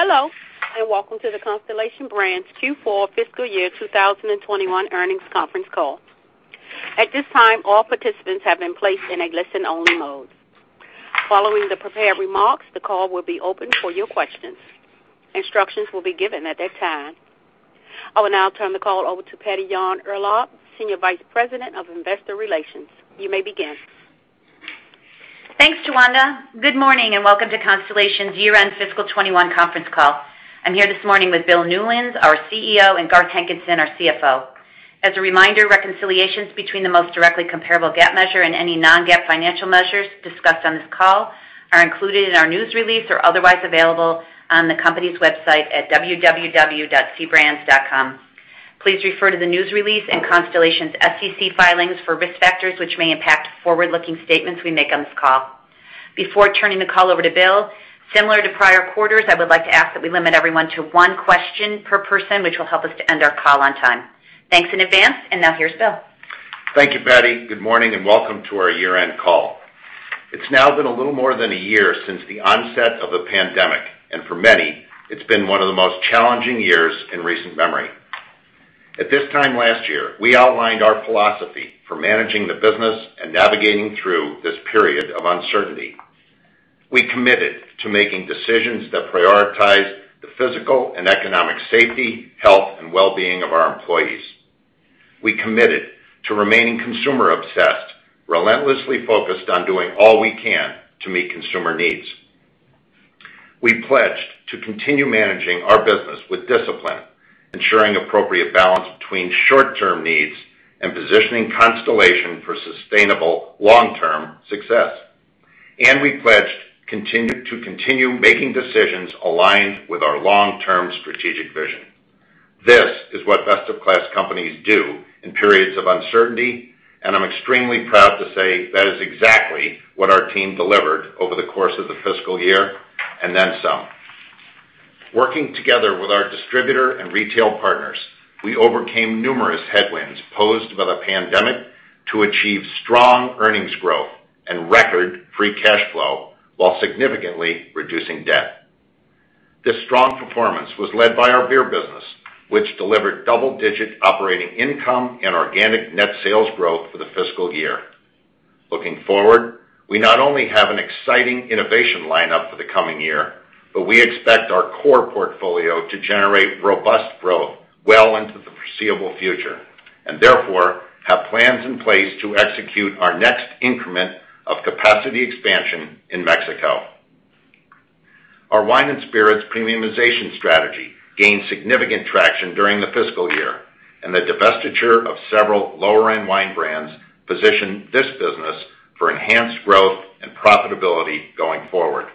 Hello, and welcome to the Constellation Brands Q4 fiscal year 2021 earnings conference call. At this time, all participants have been placed in a listen-only mode. Following the prepared remarks, the call will be open for your questions. Instructions will be given at that time. I will now turn the call over to Patty Yahn-Urlaub, Senior Vice President of Investor Relations. You may begin. Thanks, Tawanda. Good morning, and welcome to Constellation's year-end fiscal 2021 conference call. I'm here this morning with Bill Newlands, our CEO, and Garth Hankinson, our CFO. As a reminder, reconciliations between the most directly comparable GAAP measure and any non-GAAP financial measures discussed on this call are included in our news release or otherwise available on the company's website at www.cbrands.com. Please refer to the news release and Constellation's SEC filings for risk factors which may impact forward-looking statements we make on this call. Before turning the call over to Bill, similar to prior quarters, I would like to ask that we limit everyone to one question per person, which will help us to end our call on time. Thanks in advance, and now here's Bill. Thank you, Patty. Good morning and welcome to our year-end call. It's now been a little more than a year since the onset of the pandemic, and for many, it's been one of the most challenging years in recent memory. At this time last year, we outlined our philosophy for managing the business and navigating through this period of uncertainty. We committed to making decisions that prioritize the physical and economic safety, health, and well-being of our employees. We committed to remaining consumer-obsessed, relentlessly focused on doing all we can to meet consumer needs. We pledged to continue managing our business with discipline, ensuring appropriate balance between short-term needs and positioning Constellation for sustainable long-term success. We pledged to continue making decisions aligned with our long-term strategic vision. This is what best-of-class companies do in periods of uncertainty, and I'm extremely proud to say that is exactly what our team delivered over the course of the fiscal year, and then some. Working together with our distributor and retail partners, we overcame numerous headwinds posed by the pandemic to achieve strong earnings growth and record free cash flow while significantly reducing debt. This strong performance was led by our beer business, which delivered double-digit operating income and organic net sales growth for the fiscal year. Looking forward, we not only have an exciting innovation lineup for the coming year, but we expect our core portfolio to generate robust growth well into the foreseeable future, and therefore have plans in place to execute our next increment of capacity expansion in Mexico. Our wine and spirits premiumization strategy gained significant traction during the fiscal year, and the divestiture of several lower-end wine brands positioned this business for enhanced growth and profitability going forward.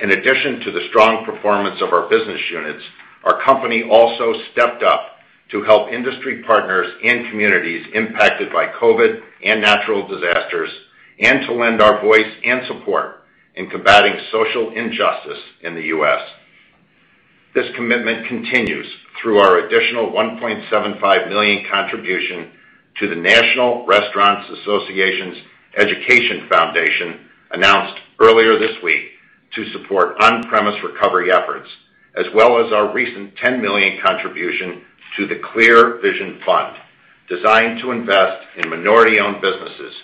In addition to the strong performance of our business units, our company also stepped up to help industry partners and communities impacted by COVID and natural disasters, and to lend our voice and support in combating social injustice in the U.S. This commitment continues through our additional $1.75 million contribution to the National Restaurant Association's Educational Foundation, announced earlier this week to support on-premise recovery efforts, as well as our recent $10 million contribution to the Clear Vision Impact Fund, designed to invest in minority-owned businesses,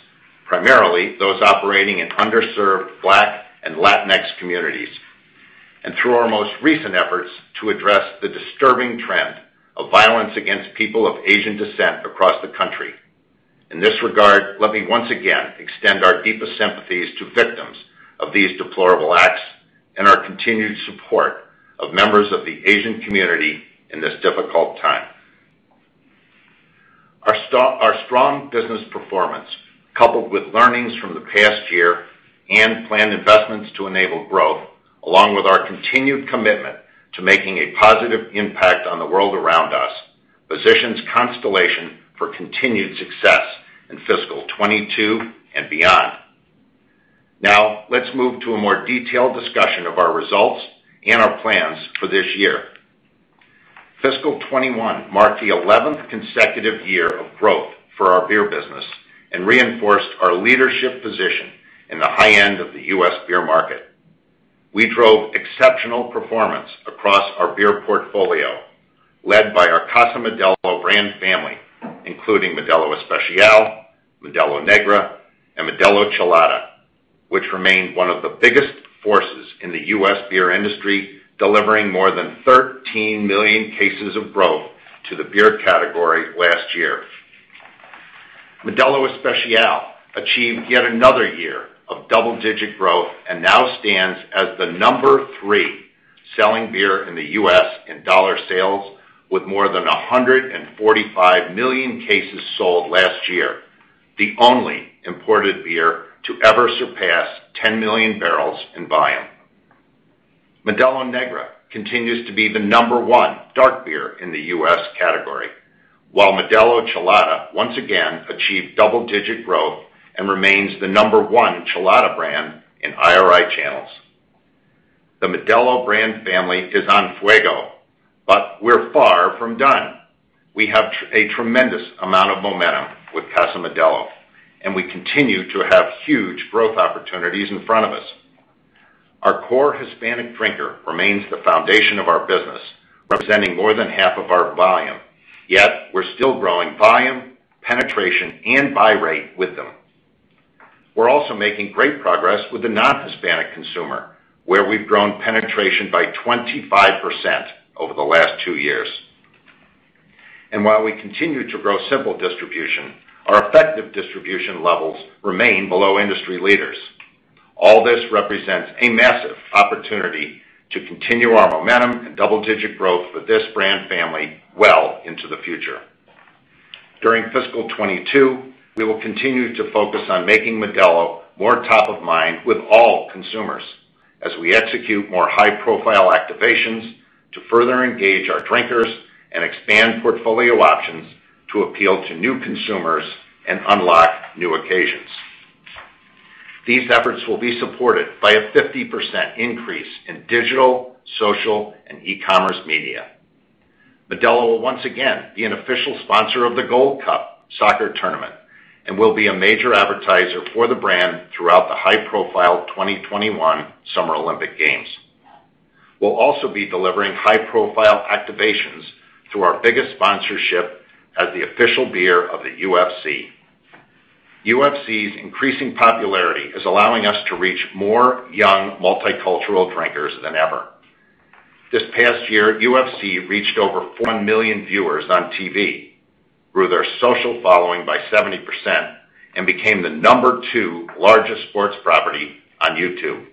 primarily those operating in underserved Black and Latinx communities. Through our most recent efforts to address the disturbing trend of violence against people of Asian descent across the country. In this regard, let me once again extend our deepest sympathies to victims of these deplorable acts and our continued support of members of the Asian community in this difficult time. Our strong business performance, coupled with learnings from the past year and planned investments to enable growth, along with our continued commitment to making a positive impact on the world around us, positions Constellation for continued success in fiscal 2022 and beyond. Now, let's move to a more detailed discussion of our results and our plans for this year. Fiscal 2021 marked the 11th consecutive year of growth for our beer business and reinforced our leadership position in the high end of the U.S. beer market. We drove exceptional performance across our beer portfolio, led by our Casa Modelo brand family, including Modelo Especial, Modelo Negra, and Modelo Chelada, which remained one of the biggest forces in the U.S. beer industry, delivering more than 13 million cases of growth to the beer category last year. Modelo Especial achieved yet another year of double-digit growth and now stands as the number three selling beer in the U.S. in dollar sales, with more than 145 million cases sold last year, the only imported beer to ever surpass 10 million barrels in volume. Modelo Negra continues to be the number one dark beer in the U.S. category, while Modelo Chelada once again achieved double-digit growth and remains the number one Chelada brand in IRI channels. The Modelo brand family is en fuego. We're far from done. We have a tremendous amount of momentum with Casa Modelo. We continue to have huge growth opportunities in front of us. Our core Hispanic drinker remains the foundation of our business, representing more than half of our volume. We're still growing volume, penetration, and buy rate with them. We're also making great progress with the non-Hispanic consumer, where we've grown penetration by 25% over the last two years. While we continue to grow simple distribution, our effective distribution levels remain below industry leaders. All this represents a massive opportunity to continue our momentum and double-digit growth for this brand family well into the future. During FY 2022, we will continue to focus on making Modelo more top of mind with all consumers, as we execute more high-profile activations to further engage our drinkers and expand portfolio options to appeal to new consumers and unlock new occasions. These efforts will be supported by a 50% increase in digital, social, and e-commerce media. Modelo will once again be an official sponsor of the Gold Cup soccer tournament and will be a major advertiser for the brand throughout the high-profile 2021 Summer Olympic Games. We'll also be delivering high-profile activations through our biggest sponsorship as the official beer of the UFC. UFC's increasing popularity is allowing us to reach more young multicultural drinkers than ever. This past year, UFC reached over 1 million viewers on TV, grew their social following by 70%, and became the number 2 largest sports property on YouTube.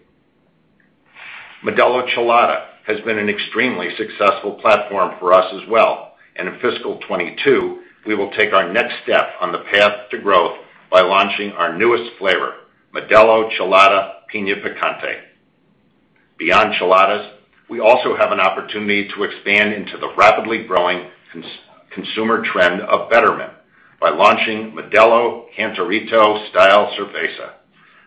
In fiscal 2022, we will take our next step on the path to growth by launching our newest flavor, Modelo Chelada Piña Picante. Beyond Cheladas, we also have an opportunity to expand into the rapidly growing consumer trend of betterment by launching Modelo Cantarito-Style Cerveza,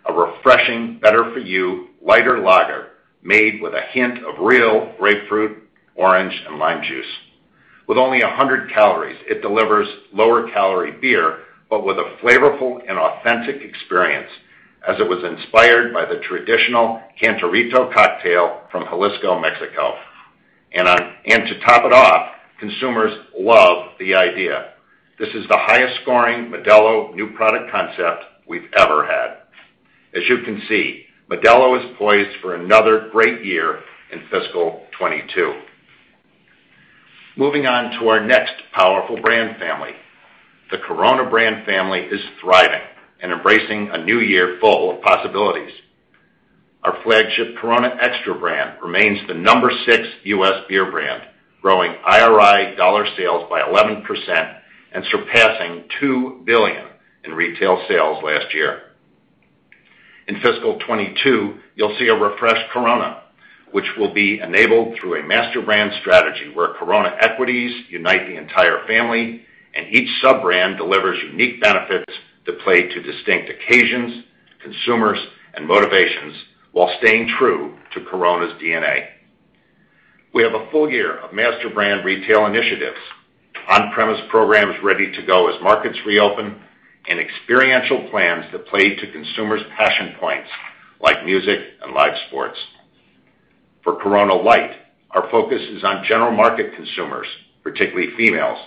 a refreshing, better-for-you, lighter lager made with a hint of real grapefruit, orange, and lime juice. With only 100 calories, it delivers lower-calorie beer, but with a flavorful and authentic experience, as it was inspired by the traditional Cantarito cocktail from Jalisco, Mexico. To top it off, consumers love the idea. This is the highest-scoring Modelo new product concept we've ever had. As you can see, Modelo is poised for another great year in fiscal 2022. Moving on to our next powerful brand family. The Corona brand family is thriving and embracing a new year full of possibilities. Our flagship Corona Extra brand remains the number six U.S. beer brand, growing IRI dollar sales by 11% and surpassing $2 billion in retail sales last year. In fiscal 2022, you'll see a refreshed Corona, which will be enabled through a master brand strategy where Corona equities unite the entire family, and each sub-brand delivers unique benefits that play to distinct occasions, consumers, and motivations while staying true to Corona's DNA. We have a full year of master brand retail initiatives, on-premise programs ready to go as markets reopen, and experiential plans that play to consumers' passion points, like music and live sports. For Corona Light, our focus is on general market consumers, particularly females,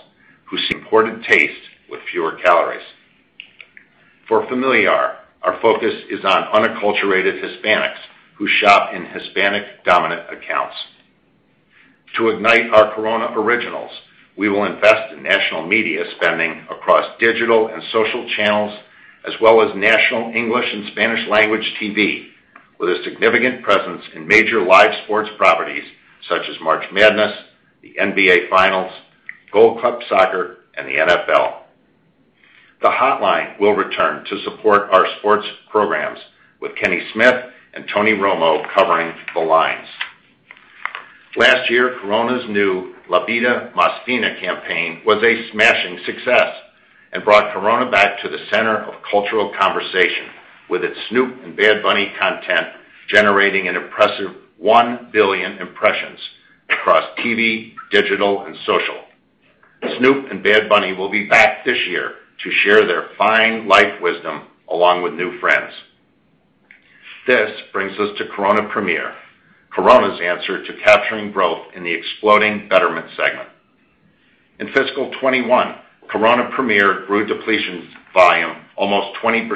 who seek important taste with fewer calories. For Familiar, our focus is on unacculturated Hispanics who shop in Hispanic-dominant accounts. To ignite our Corona Originals, we will invest in national media spending across digital and social channels, as well as national English and Spanish language TV with a significant presence in major live sports properties such as March Madness, the NBA Finals, Gold Cup Soccer, and the NFL. The Hotline will return to support our sports programs with Kenny Smith and Tony Romo covering the lines. Last year, Corona's new La Vida Más Fina campaign was a smashing success and brought Corona back to the center of cultural conversation with its Snoop and Bad Bunny content generating an impressive 1 billion impressions across TV, digital, and social. Snoop and Bad Bunny will be back this year to share their fine life wisdom along with new friends. This brings us to Corona Premier, Corona's answer to capturing growth in the exploding betterment segment. In fiscal 2021, Corona Premier grew depletions volume almost 20%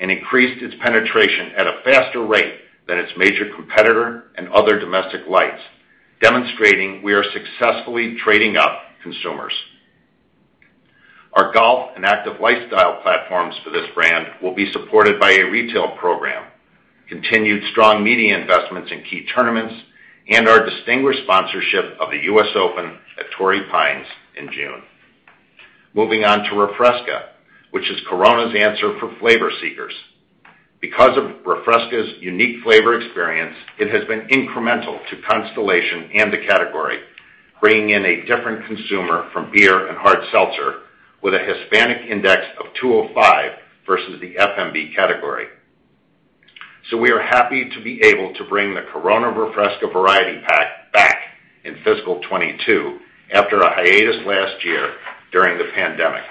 and increased its penetration at a faster rate than its major competitor and other domestic lights, demonstrating we are successfully trading up consumers. Our golf and active lifestyle platforms for this brand will be supported by a retail program, continued strong media investments in key tournaments, and our distinguished sponsorship of the U.S. Open at Torrey Pines in June. Moving on to Refresca, which is Corona's answer for flavor seekers. Because of Refresca's unique flavor experience, it has been incremental to Constellation and the category, bringing in a different consumer from beer and hard seltzer with a Hispanic index of 205 versus the FMB category. We are happy to be able to bring the Corona Refresca variety pack back in fiscal 2022, after a hiatus last year during the pandemic.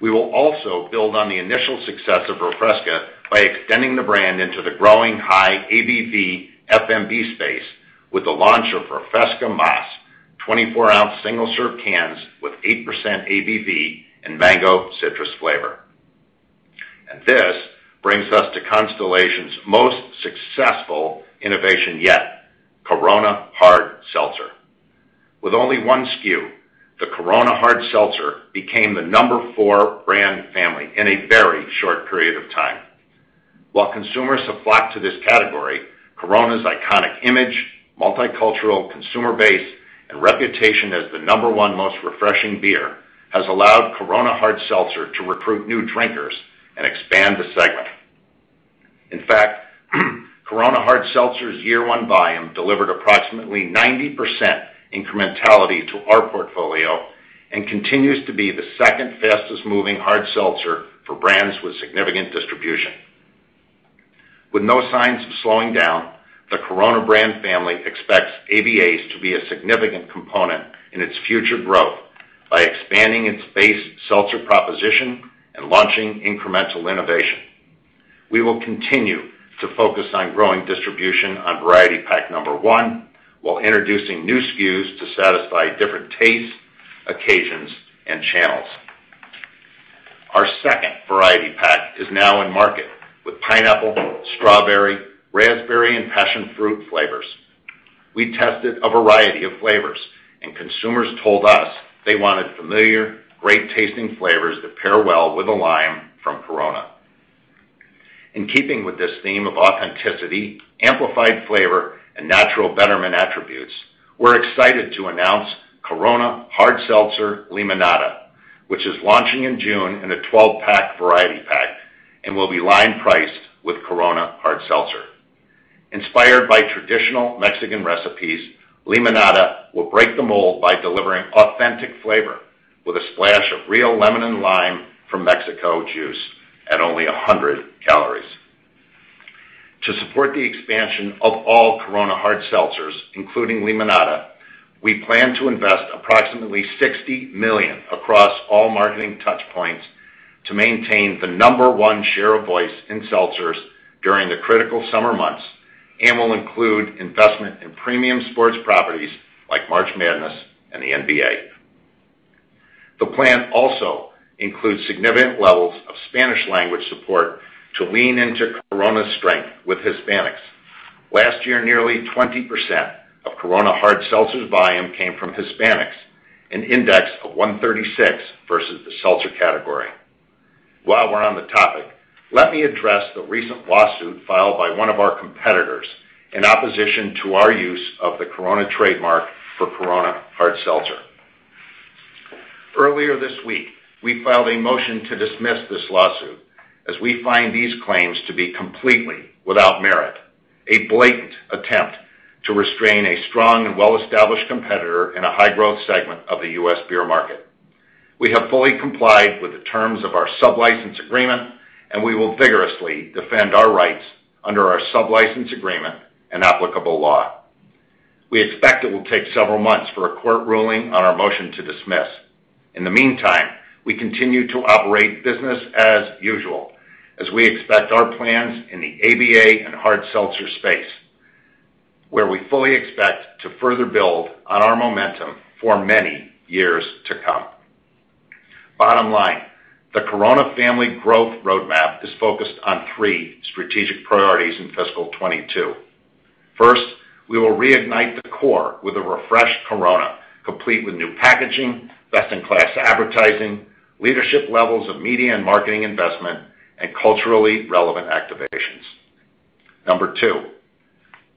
We will also build on the initial success of Refresca by extending the brand into the growing high ABV FMB space with the launch of Corona Refresca MÁS 24-ounce single-serve cans with 8% ABV in mango citrus flavor. This brings us to Constellation's most successful innovation yet, Corona Hard Seltzer. With only one SKU, the Corona Hard Seltzer became the number four brand family in a very short period of time. While consumers have flocked to this category, Corona's iconic image, multicultural consumer base, and reputation as the number one most refreshing beer has allowed Corona Hard Seltzer to recruit new drinkers and expand the segment. In fact, Corona Hard Seltzer's year one volume delivered approximately 90% incrementality to our portfolio and continues to be the second fastest-moving hard seltzer for brands with significant distribution. With no signs of slowing down, the Corona brand family expects ABV to be a significant component in its future growth by expanding its base seltzer proposition and launching incremental innovation. We will continue to focus on growing distribution on variety pack number one while introducing new SKUs to satisfy different tastes, occasions, and channels. Our second variety pack is now in market with pineapple, strawberry, raspberry, and passion fruit flavors. We tested a variety of flavors, and consumers told us they wanted familiar, great-tasting flavors that pair well with a lime from Corona. In keeping with this theme of authenticity, amplified flavor, and natural betterment attributes, we're excited to announce Corona Hard Seltzer Limonada, which is launching in June in a 12-pack variety pack and will be line-priced with Corona Hard Seltzer. Inspired by traditional Mexican recipes, Limonada will break the mold by delivering authentic flavor with a splash of real lemon and lime from Mexico juice at only 100 calories. To support the expansion of all Corona Hard Seltzers, including Limonada, we plan to invest approximately $60 million across all marketing touchpoints to maintain the number one share of voice in seltzers during the critical summer months and will include investment in premium sports properties like March Madness and the NBA. The plan also includes significant levels of Spanish language support to lean into Corona's strength with Hispanics. Last year, nearly 20% of Corona Hard Seltzer's volume came from Hispanics, an index of 136 versus the seltzer category. While we're on the topic, let me address the recent lawsuit filed by one of our competitors in opposition to our use of the Corona trademark for Corona Hard Seltzer. Earlier this week, we filed a motion to dismiss this lawsuit, as we find these claims to be completely without merit, a blatant attempt to restrain a strong and well-established competitor in a high-growth segment of the U.S. beer market. We have fully complied with the terms of our sub-license agreement, and we will vigorously defend our rights under our sub-license agreement and applicable law. We expect it will take several months for a court ruling on our motion to dismiss. In the meantime, we continue to operate business as usual as we expect our plans in the ABA and hard seltzer space, where we fully expect to further build on our momentum for many years to come. Bottom line, the Corona family growth roadmap is focused on three strategic priorities in fiscal 2022. First, we will reignite the core with a refreshed Corona, complete with new packaging, best-in-class advertising, leadership levels of media and marketing investment, and culturally relevant activations. Number two,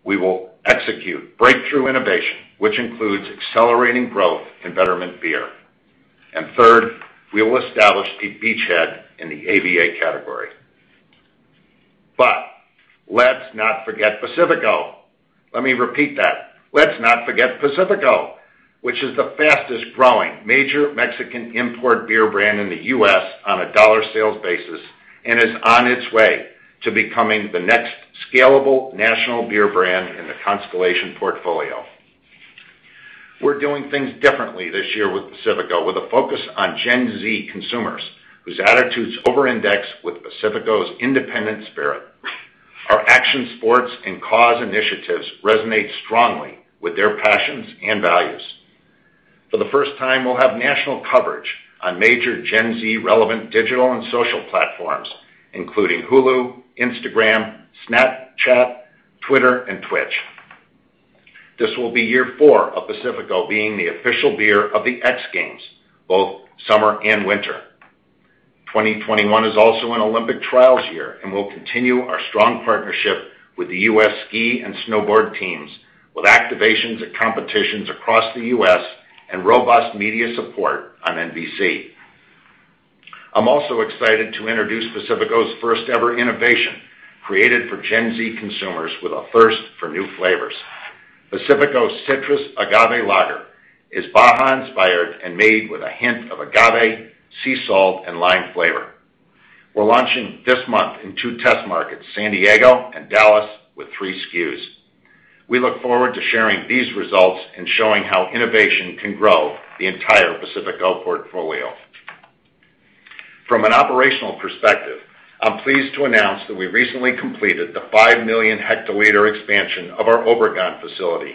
we will execute breakthrough innovation, which includes accelerating growth in Betterment Beer. Third, we will establish a beachhead in the ABA category. Let's not forget Pacifico. Let me repeat that. Let's not forget Pacifico, which is the fastest-growing major Mexican import beer brand in the U.S. on a dollar sales basis and is on its way to becoming the next scalable national beer brand in the Constellation portfolio. We're doing things differently this year with Pacifico, with a focus on Gen Z consumers whose attitudes over-index with Pacifico's independent spirit. Our action sports and cause initiatives resonate strongly with their passions and values. For the first time, we'll have national coverage on major Gen Z-relevant digital and social platforms, including Hulu, Instagram, Snapchat, Twitter, and Twitch. This will be year four of Pacifico being the official beer of the X Games, both summer and winter. 2021 is also an Olympic trials year, we'll continue our strong partnership with the U.S. Ski & Snowboard teams with activations at competitions across the U.S. and robust media support on NBC. I'm also excited to introduce Pacifico's first-ever innovation, created for Gen Z consumers with a thirst for new flavors. Pacifico Citrus Agave Lager is Baja-inspired and made with a hint of agave, sea salt, and lime flavor. We're launching this month in two test markets, San Diego and Dallas, with three SKUs. We look forward to sharing these results and showing how innovation can grow the entire Pacifico portfolio. From an operational perspective, I'm pleased to announce that we recently completed the 5-million-hectoliter expansion of our Obregón facility,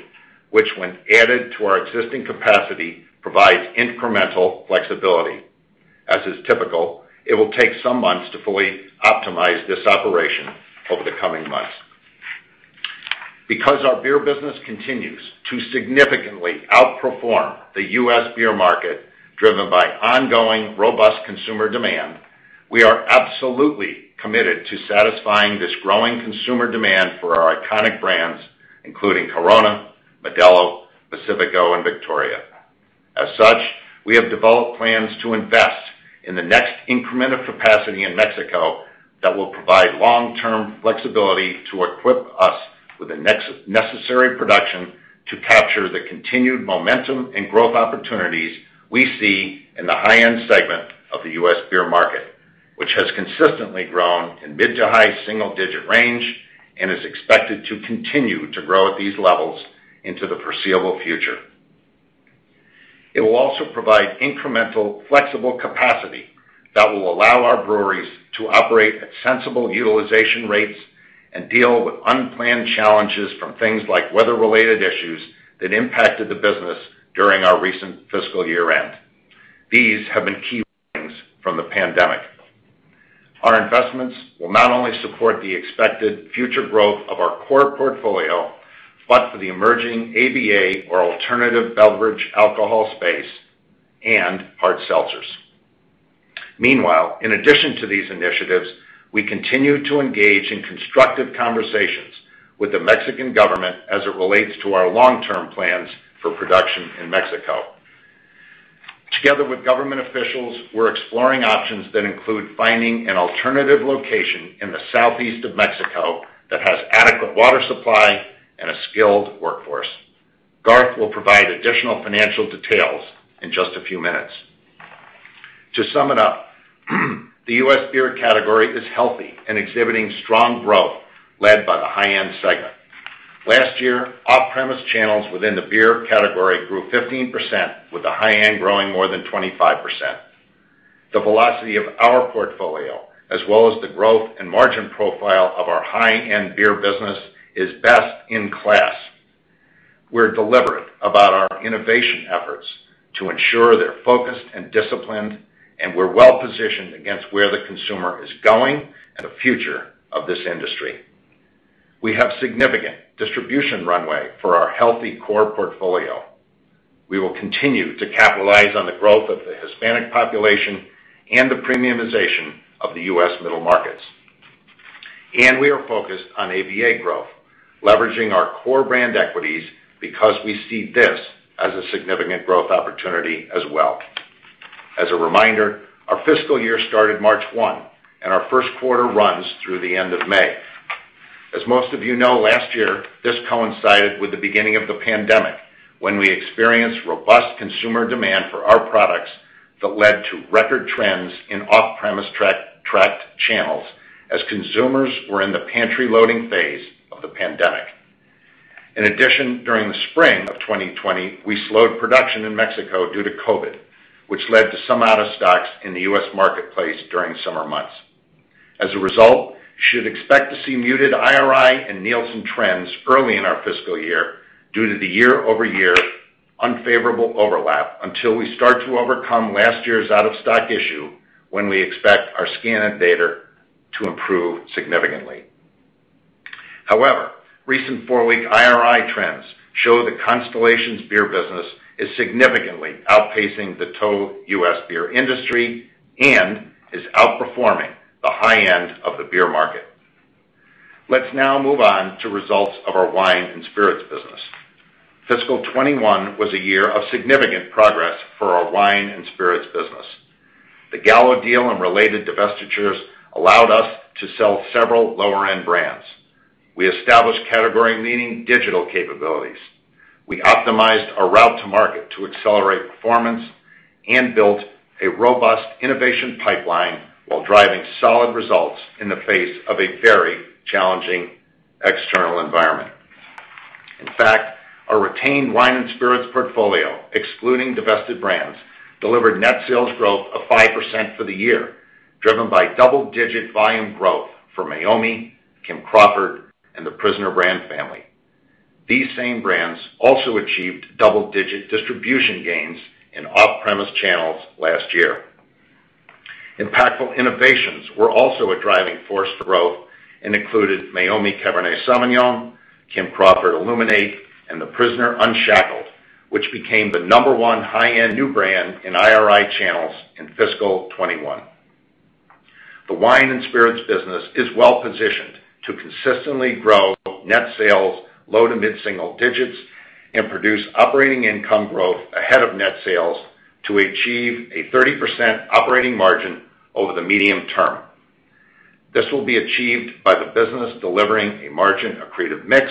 which when added to our existing capacity, provides incremental flexibility. As is typical, it will take some months to fully optimize this operation over the coming months. Because our beer business continues to significantly outperform the U.S. beer market, driven by ongoing robust consumer demand, we are absolutely committed to satisfying this growing consumer demand for our iconic brands, including Corona, Modelo, Pacifico, and Victoria. As such, we have developed plans to invest in the next increment of capacity in Mexico that will provide long-term flexibility to equip us with the necessary production to capture the continued momentum and growth opportunities we see in the high-end segment of the U.S. beer market, which has consistently grown in mid-to-high single-digit range and is expected to continue to grow at these levels into the foreseeable future. It will also provide incremental flexible capacity that will allow our breweries to operate at sensible utilization rates and deal with unplanned challenges from things like weather-related issues that impacted the business during our recent fiscal year-end. These have been key learnings from the pandemic. Our investments will not only support the expected future growth of our core portfolio, but for the emerging ABA or alternative beverage alcohol space and hard seltzers. Meanwhile, in addition to these initiatives, we continue to engage in constructive conversations with the Mexican government as it relates to our long-term plans for production in Mexico. Together with government officials, we're exploring options that include finding an alternative location in the southeast of Mexico that has adequate water supply and a skilled workforce. Garth will provide additional financial details in just a few minutes. To sum it up, the U.S. beer category is healthy and exhibiting strong growth led by the high-end segment. Last year, off-premise channels within the beer category grew 15% with the high end growing more than 25%. The velocity of our portfolio, as well as the growth and margin profile of our high-end beer business, is best in class. We're deliberate about our innovation efforts to ensure they're focused and disciplined, and we're well positioned against where the consumer is going and the future of this industry. We have significant distribution runway for our healthy core portfolio. We will continue to capitalize on the growth of the Hispanic population and the premiumization of the U.S. middle markets. We are focused on ABA growth, leveraging our core brand equities because we see this as a significant growth opportunity as well. As a reminder, our fiscal year started March 1, and our first quarter runs through the end of May. As most of you know, last year, this coincided with the beginning of the pandemic, when we experienced robust consumer demand for our products that led to record trends in off-premise tracked channels as consumers were in the pantry loading phase of the pandemic. In addition, during the spring of 2020, we slowed production in Mexico due to COVID, which led to some out of stocks in the U.S. marketplace during summer months. You should expect to see muted IRI and Nielsen trends early in our fiscal year due to the year-over-year unfavorable overlap until we start to overcome last year's out-of-stock issue, when we expect our scan data to improve significantly. Recent four-week IRI trends show that Constellation's beer business is significantly outpacing the total U.S. beer industry and is outperforming the high end of the beer market. Let's now move on to results of our wine and spirits business. FY 2021 was a year of significant progress for our wine and spirits business. The Gallo deal and related divestitures allowed us to sell several lower-end brands. We established category-leading digital capabilities. We optimized our route to market to accelerate performance and built a robust innovation pipeline while driving solid results in the face of a very challenging external environment. In fact, our retained wine and spirits portfolio, excluding divested brands, delivered net sales growth of 5% for the year, driven by double-digit volume growth for Meiomi, Kim Crawford, and The Prisoner brand family. These same brands also achieved double-digit distribution gains in off-premise channels last year. Impactful innovations were also a driving force for growth and included Meiomi Cabernet Sauvignon, Kim Crawford Illuminate, and The Prisoner Unshackled, which became the number one high-end new brand in IRI channels in fiscal 2021. The wine and spirits business is well positioned to consistently grow net sales low to mid single digits and produce operating income growth ahead of net sales to achieve a 30% operating margin over the medium term. This will be achieved by the business delivering a margin-accretive mix,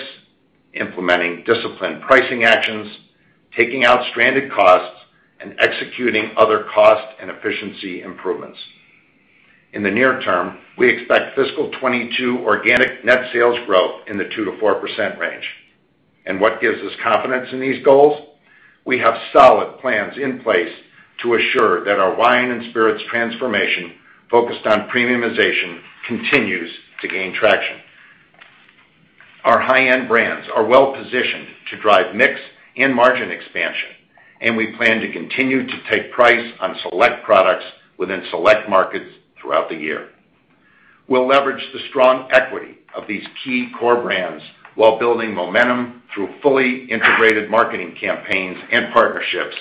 implementing disciplined pricing actions, taking out stranded costs, and executing other cost and efficiency improvements. In the near term, we expect fiscal 2022 organic net sales growth in the 2%-4% range. What gives us confidence in these goals? We have solid plans in place to assure that our wine and spirits transformation, focused on premiumization, continues to gain traction. Our high-end brands are well-positioned to drive mix and margin expansion, and we plan to continue to take price on select products within select markets throughout the year. We'll leverage the strong equity of these key core brands while building momentum through fully integrated marketing campaigns and partnerships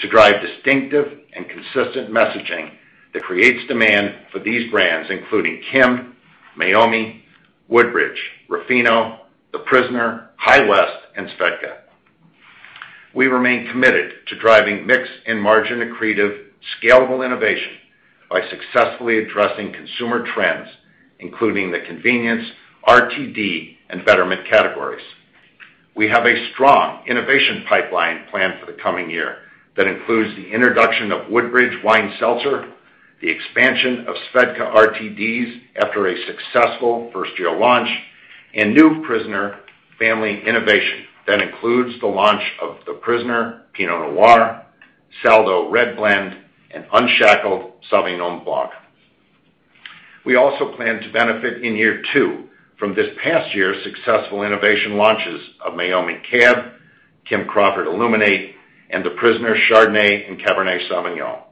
to drive distinctive and consistent messaging that creates demand for these brands, including Kim, Meiomi, Woodbridge, Ruffino, The Prisoner, High West, and Svedka. We remain committed to driving mix and margin-accretive, scalable innovation by successfully addressing consumer trends, including the convenience, RTD, and betterment categories. We have a strong innovation pipeline planned for the coming year that includes the introduction of Woodbridge Wine Seltzer, the expansion of Svedka RTDs after a successful first-year launch, and new Prisoner family innovation. That includes the launch of The Prisoner Pinot Noir, Saldo Red Blend, and Unshackled Sauvignon Blanc. We also plan to benefit in year two from this past year's successful innovation launches of Meiomi Cab, Kim Crawford Illuminate, and The Prisoner Chardonnay and Cabernet Sauvignon.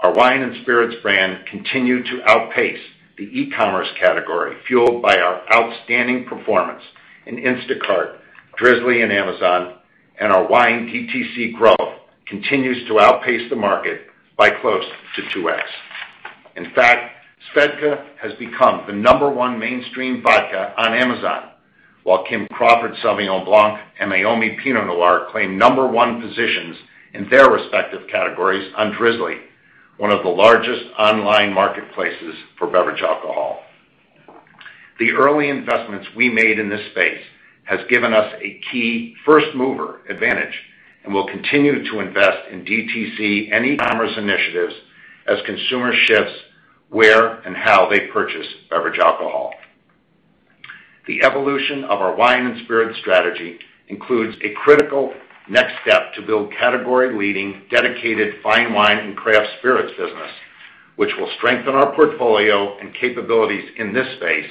Our wine and spirits brand continue to outpace the e-commerce category, fueled by our outstanding performance in Instacart, Drizly, and Amazon. Our wine DTC growth continues to outpace the market by close to 2x. In fact, Svedka has become the number one mainstream vodka on Amazon, while Kim Crawford Sauvignon Blanc and Meiomi Pinot Noir claim number one positions in their respective categories on Drizly, one of the largest online marketplaces for beverage alcohol. The early investments we made in this space has given us a key first-mover advantage. We'll continue to invest in DTC and e-commerce initiatives as consumer shifts where and how they purchase beverage alcohol. The evolution of our wine and spirits strategy includes a critical next step to build category-leading, dedicated fine wine and craft spirits business, which will strengthen our portfolio and capabilities in this space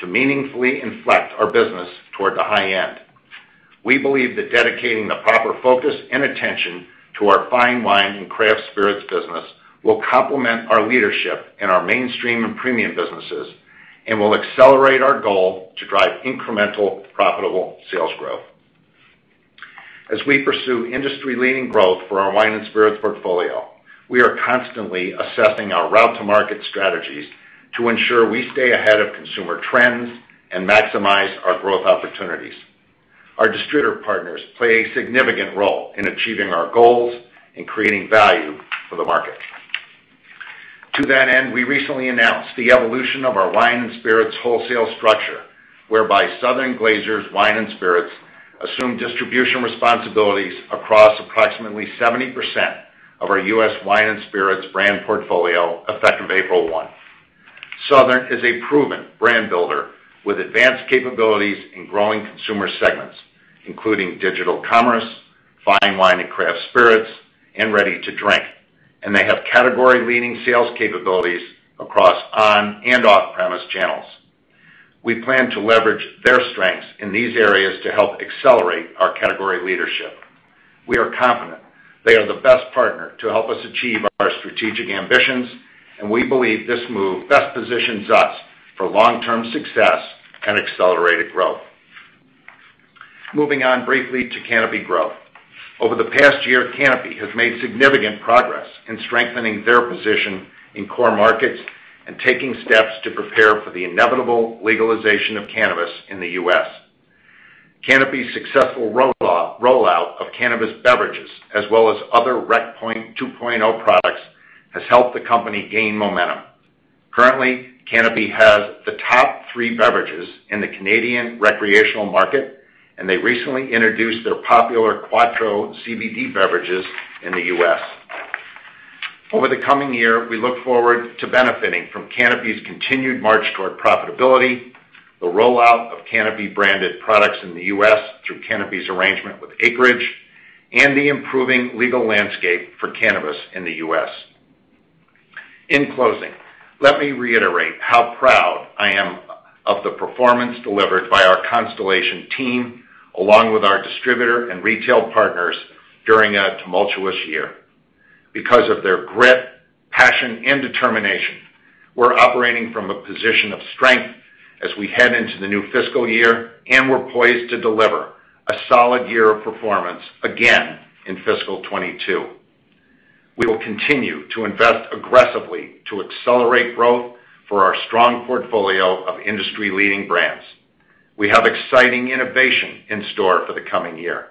to meaningfully inflect our business toward the high end. We believe that dedicating the proper focus and attention to our fine wine and craft spirits business will complement our leadership in our mainstream and premium businesses and will accelerate our goal to drive incremental, profitable sales growth. As we pursue industry-leading growth for our wine and spirits portfolio, we are constantly assessing our route to market strategies to ensure we stay ahead of consumer trends and maximize our growth opportunities. Our distributor partners play a significant role in achieving our goals and creating value for the market. To that end, we recently announced the evolution of our wine and spirits wholesale structure, whereby Southern Glazer's Wine & Spirits assume distribution responsibilities across approximately 70% of our U.S. wine and spirits brand portfolio effective April 1. Southern is a proven brand builder with advanced capabilities in growing consumer segments, including digital commerce, fine wine and craft spirits, and ready-to-drink. They have category-leading sales capabilities across on and off-premise channels. We plan to leverage their strengths in these areas to help accelerate our category leadership. We are confident they are the best partner to help us achieve our strategic ambitions. We believe this move best positions us for long-term success and accelerated growth. Moving on briefly to Canopy Growth. Over the past year, Canopy has made significant progress in strengthening their position in core markets and taking steps to prepare for the inevitable legalization of cannabis in the U.S. Canopy's successful rollout of cannabis beverages as well as other Rec 2.0 products has helped the company gain momentum. Currently, Canopy has the top three beverages in the Canadian recreational market, and they recently introduced their popular Quatreau CBD beverages in the U.S. Over the coming year, we look forward to benefiting from Canopy's continued march toward profitability, the rollout of Canopy-branded products in the U.S. through Canopy's arrangement with Acreage, and the improving legal landscape for cannabis in the U.S. In closing, let me reiterate how proud I am of the performance delivered by our Constellation team, along with our distributor and retail partners during a tumultuous year. Because of their grit, passion, and determination, we're operating from a position of strength as we head into the new fiscal year, and we're poised to deliver a solid year of performance again in fiscal 2022. We will continue to invest aggressively to accelerate growth for our strong portfolio of industry-leading brands. We have exciting innovation in store for the coming year,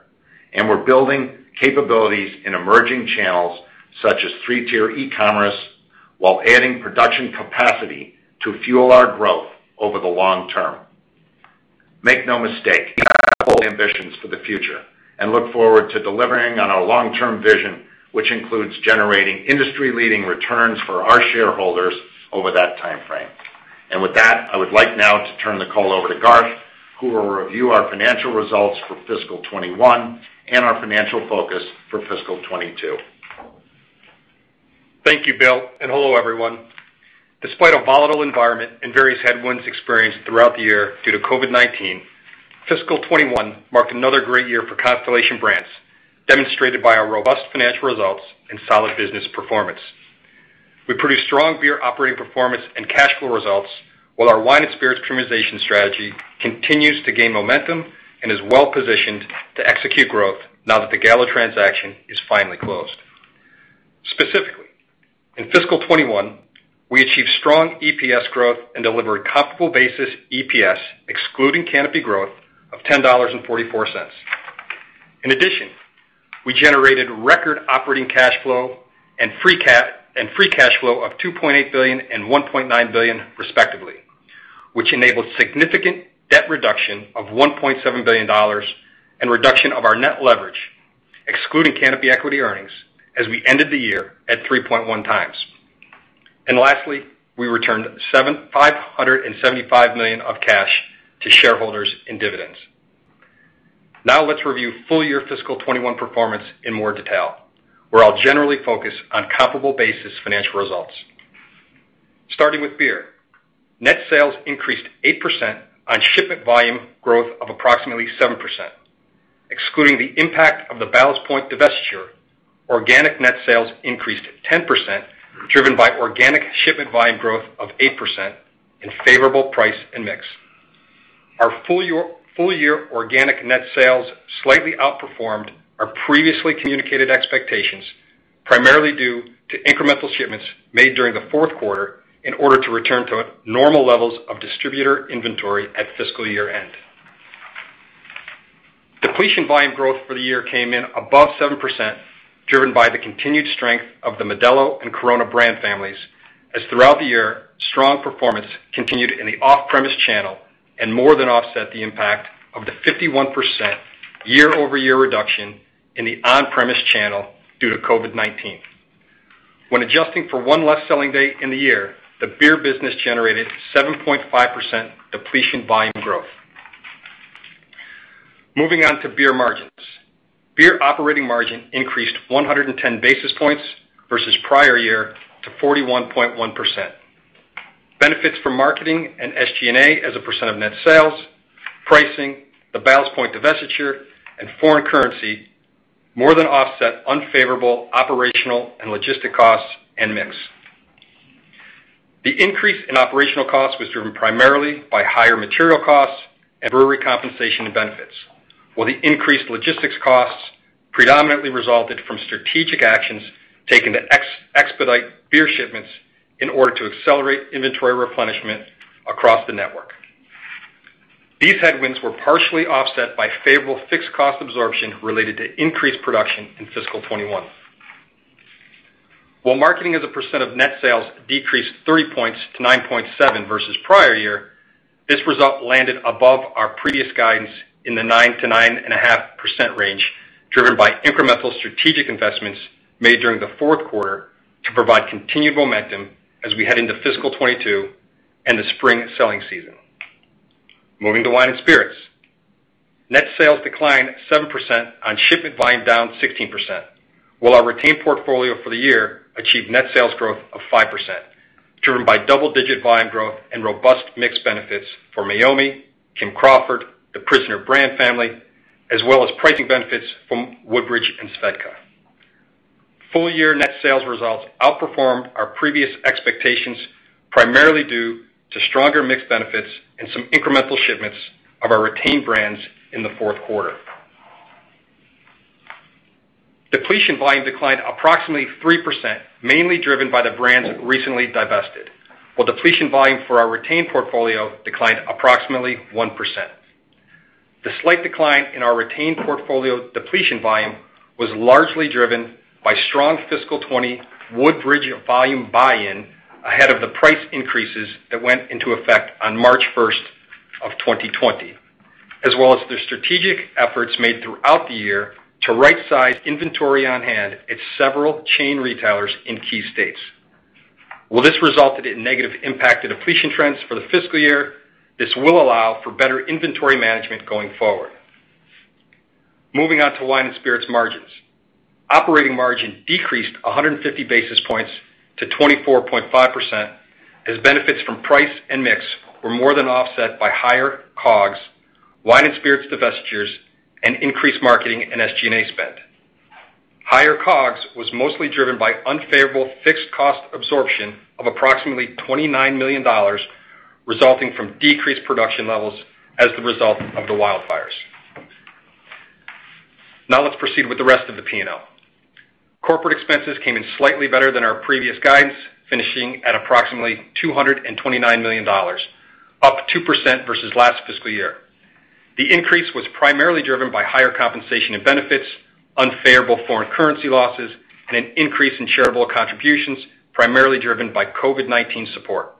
and we're building capabilities in emerging channels such as three-tier e-commerce, while adding production capacity to fuel our growth over the long term. Make no mistake, we have bold ambitions for the future and look forward to delivering on our long-term vision, which includes generating industry-leading returns for our shareholders over that timeframe. With that, I would like now to turn the call over to Garth, who will review our financial results for fiscal 2021 and our financial focus for fiscal 2022. Thank you, Bill. Hello, everyone. Despite a volatile environment and various headwinds experienced throughout the year due to COVID-19, fiscal 2021 marked another great year for Constellation Brands, demonstrated by our robust financial results and solid business performance. We produced strong beer operating performance and cash flow results, while our wine and spirits premiumization strategy continues to gain momentum and is well-positioned to execute growth now that the Gallo transaction is finally closed. Specifically, in fiscal 2021, we achieved strong EPS growth and delivered comparable basis EPS, excluding Canopy Growth of $10.44. We generated record operating cash flow and free cash flow of $2.8 billion and $1.9 billion, respectively, which enabled significant debt reduction of $1.7 billion and reduction of our net leverage, excluding Canopy Growth equity earnings, as we ended the year at 3.1x. Lastly, we returned $575 million of cash to shareholders in dividends. Now let's review full year fiscal 2021 performance in more detail, where I'll generally focus on comparable basis financial results. Starting with beer. Net sales increased 8% on shipment volume growth of approximately 7%, excluding the impact of the Ballast Point divestiture, organic net sales increased 10%, driven by organic shipment volume growth of 8% in favorable price and mix. Our full year organic net sales slightly outperformed our previously communicated expectations, primarily due to incremental shipments made during the fourth quarter in order to return to normal levels of distributor inventory at fiscal year-end. Depletion volume growth for the year came in above 7%, driven by the continued strength of the Modelo and Corona brand families, as throughout the year, strong performance continued in the off-premise channel and more than offset the impact of the 51% year-over-year reduction in the on-premise channel due to COVID-19. When adjusting for one less selling day in the year, the beer business generated 7.5% depletion volume growth. Moving on to beer margins. Beer operating margin increased 110 basis points versus prior year to 41.1%. Benefits from marketing and SG&A as a % of net sales, pricing, the Ballast Point divestiture, and foreign currency more than offset unfavorable operational and logistic costs and mix. The increase in operational costs was driven primarily by higher material costs and brewery compensation and benefits. While the increased logistics costs predominantly resulted from strategic actions taken to expedite beer shipments in order to accelerate inventory replenishment across the network. These headwinds were partially offset by favorable fixed cost absorption related to increased production in fiscal 2021. While marketing as a percent of net sales decreased 30 points to 9.7% versus prior year, this result landed above our previous guidance in the 9%-9.5% range, driven by incremental strategic investments made during the fourth quarter to provide continued momentum as we head into fiscal 2022 and the spring selling season. Moving to wine and spirits. Net sales declined 7% on shipment volume down 16%, while our retained portfolio for the year achieved net sales growth of 5%, driven by double-digit volume growth and robust mix benefits for Meiomi, Kim Crawford, The Prisoner brand family, as well as pricing benefits from Woodbridge and Svedka. Full-year net sales results outperformed our previous expectations, primarily due to stronger mix benefits and some incremental shipments of our retained brands in the fourth quarter. Depletion volume declined approximately 3%, mainly driven by the brands recently divested. While depletion volume for our retained portfolio declined approximately 1%. The slight decline in our retained portfolio depletion volume was largely driven by strong fiscal 2020 Woodbridge volume buy-in ahead of the price increases that went into effect on March 1st of 2020, as well as the strategic efforts made throughout the year to rightsize inventory on hand at several chain retailers in key states. While this resulted in negative impact to depletion trends for the fiscal year, this will allow for better inventory management going forward. Moving on to wine and spirits margins. Operating margin decreased 150 basis points to 24.5% as benefits from price and mix were more than offset by higher COGS, wine and spirits divestitures, and increased marketing and SG&A spend. Higher COGS was mostly driven by unfavorable fixed cost absorption of approximately $29 million, resulting from decreased production levels as the result of the wildfires. Let's proceed with the rest of the P&L. Corporate expenses came in slightly better than our previous guidance, finishing at approximately $229 million, up 2% versus last fiscal year. The increase was primarily driven by higher compensation and benefits, unfavorable foreign currency losses, and an increase in charitable contributions, primarily driven by COVID-19 support,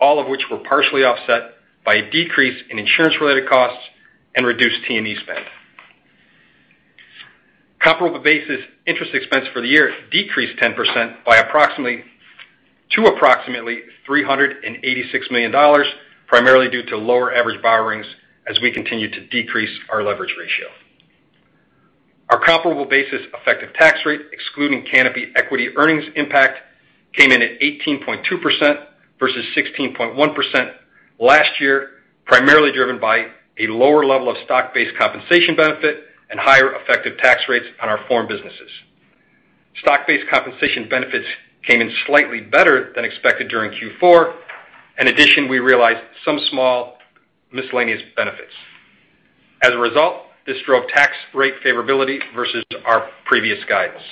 all of which were partially offset by a decrease in insurance-related costs and reduced T&E spend. Comparable basis interest expense for the year decreased 10% to approximately $386 million, primarily due to lower average borrowings as we continue to decrease our leverage ratio. Our comparable basis effective tax rate, excluding Canopy equity earnings impact, came in at 18.2% versus 16.1% last year, primarily driven by a lower level of stock-based compensation benefit and higher effective tax rates on our foreign businesses. Stock-based compensation benefits came in slightly better than expected during Q4. We realized some small miscellaneous benefits. This drove tax rate favorability versus our previous guidance.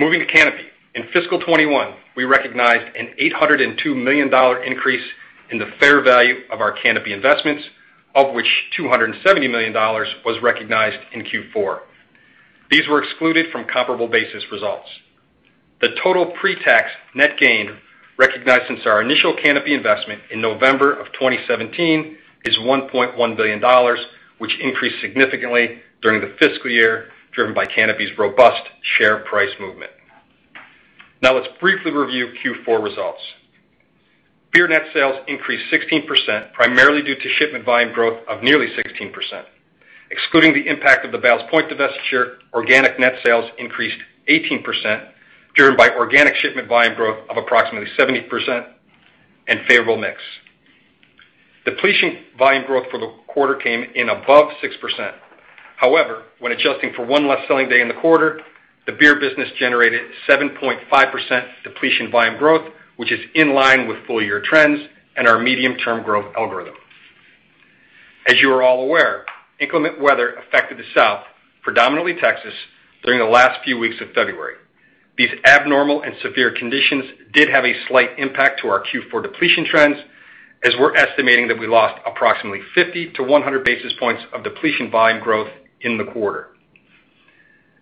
Moving to Canopy. In fiscal 2021, we recognized an $802 million increase in the fair value of our Canopy investments, of which $270 million was recognized in Q4. These were excluded from comparable basis results. The total pre-tax net gain recognized since our initial Canopy investment in November of 2017 is $1.1 billion, which increased significantly during the fiscal year, driven by Canopy's robust share price movement. Let's briefly review Q4 results. Beer net sales increased 16%, primarily due to shipment volume growth of nearly 16%. Excluding the impact of the Ballast Point divestiture, organic net sales increased 18%, driven by organic shipment volume growth of approximately 17% and favorable mix. Depletion volume growth for the quarter came in above 6%. However, when adjusting for one less selling day in the quarter, the beer business generated 7.5% depletion volume growth, which is in line with full-year trends and our medium-term growth algorithm. As you are all aware, inclement weather affected the South, predominantly Texas, during the last few weeks of February. These abnormal and severe conditions did have a slight impact to our Q4 depletion trends, as we're estimating that we lost approximately 50-100 basis points of depletion volume growth in the quarter.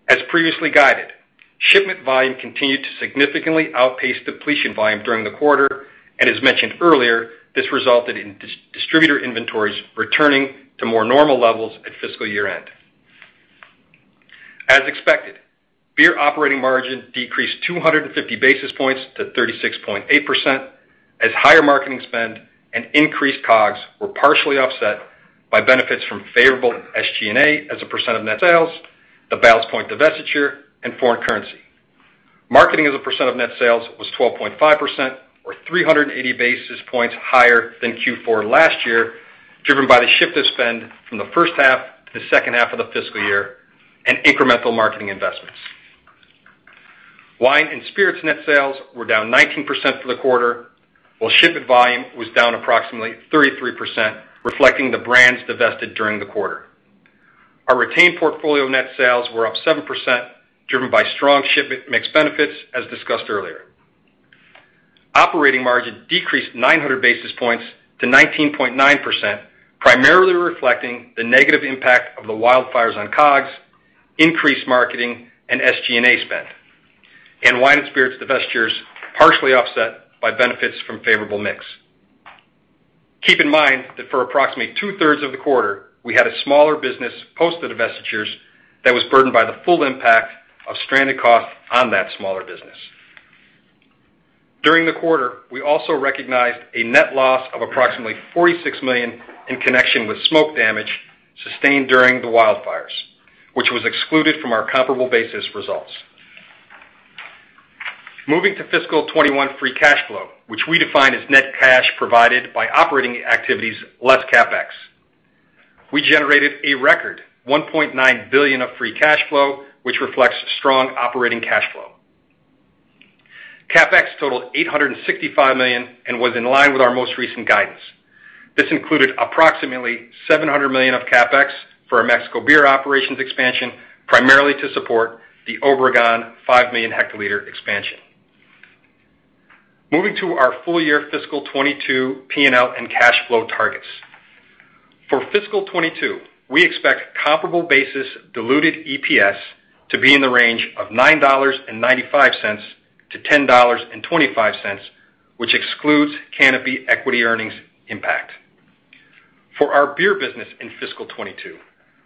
As previously guided, shipment volume continued to significantly outpace depletion volume during the quarter, and as mentioned earlier, this resulted in distributor inventories returning to more normal levels at fiscal year-end. As expected, beer operating margin decreased 250 basis points to 36.8%, as higher marketing spend and increased COGS were partially offset by benefits from favorable SG&A as a % of net sales, the Ballast Point divestiture, and foreign currency. Marketing as a % of net sales was 12.5%, or 380 basis points higher than Q4 last year, driven by the shift of spend from the first half to the second half of the fiscal year and incremental marketing investments. Wine and spirits net sales were down 19% for the quarter, while shipment volume was down approximately 33%, reflecting the brands divested during the quarter. Our retained portfolio net sales were up 7%, driven by strong shipment mix benefits, as discussed earlier. Operating margin decreased 900 basis points to 19.9%, primarily reflecting the negative impact of the wildfires on COGS, increased marketing, and SG&A spend, and wine and spirits divestitures, partially offset by benefits from favorable mix. Keep in mind that for approximately two-thirds of the quarter, we had a smaller business post the divestitures that was burdened by the full impact of stranded costs on that smaller business. During the quarter, we also recognized a net loss of approximately $46 million in connection with smoke damage sustained during the wildfires, which was excluded from our comparable basis results. Moving to fiscal 2021 free cash flow, which we define as net cash provided by operating activities less CapEx. We generated a record $1.9 billion of free cash flow, which reflects strong operating cash flow. CapEx totaled $865 million and was in line with our most recent guidance. This included approximately $700 million of CapEx for our Mexico beer operations expansion, primarily to support the Obregón 5-million-hectoliter expansion. Moving to our full-year fiscal 2022 P&L and cash flow targets. For fiscal 2022, we expect comparable basis diluted EPS to be in the range of $9.95-$10.25, which excludes Canopy equity earnings impact. For our beer business in fiscal 2022,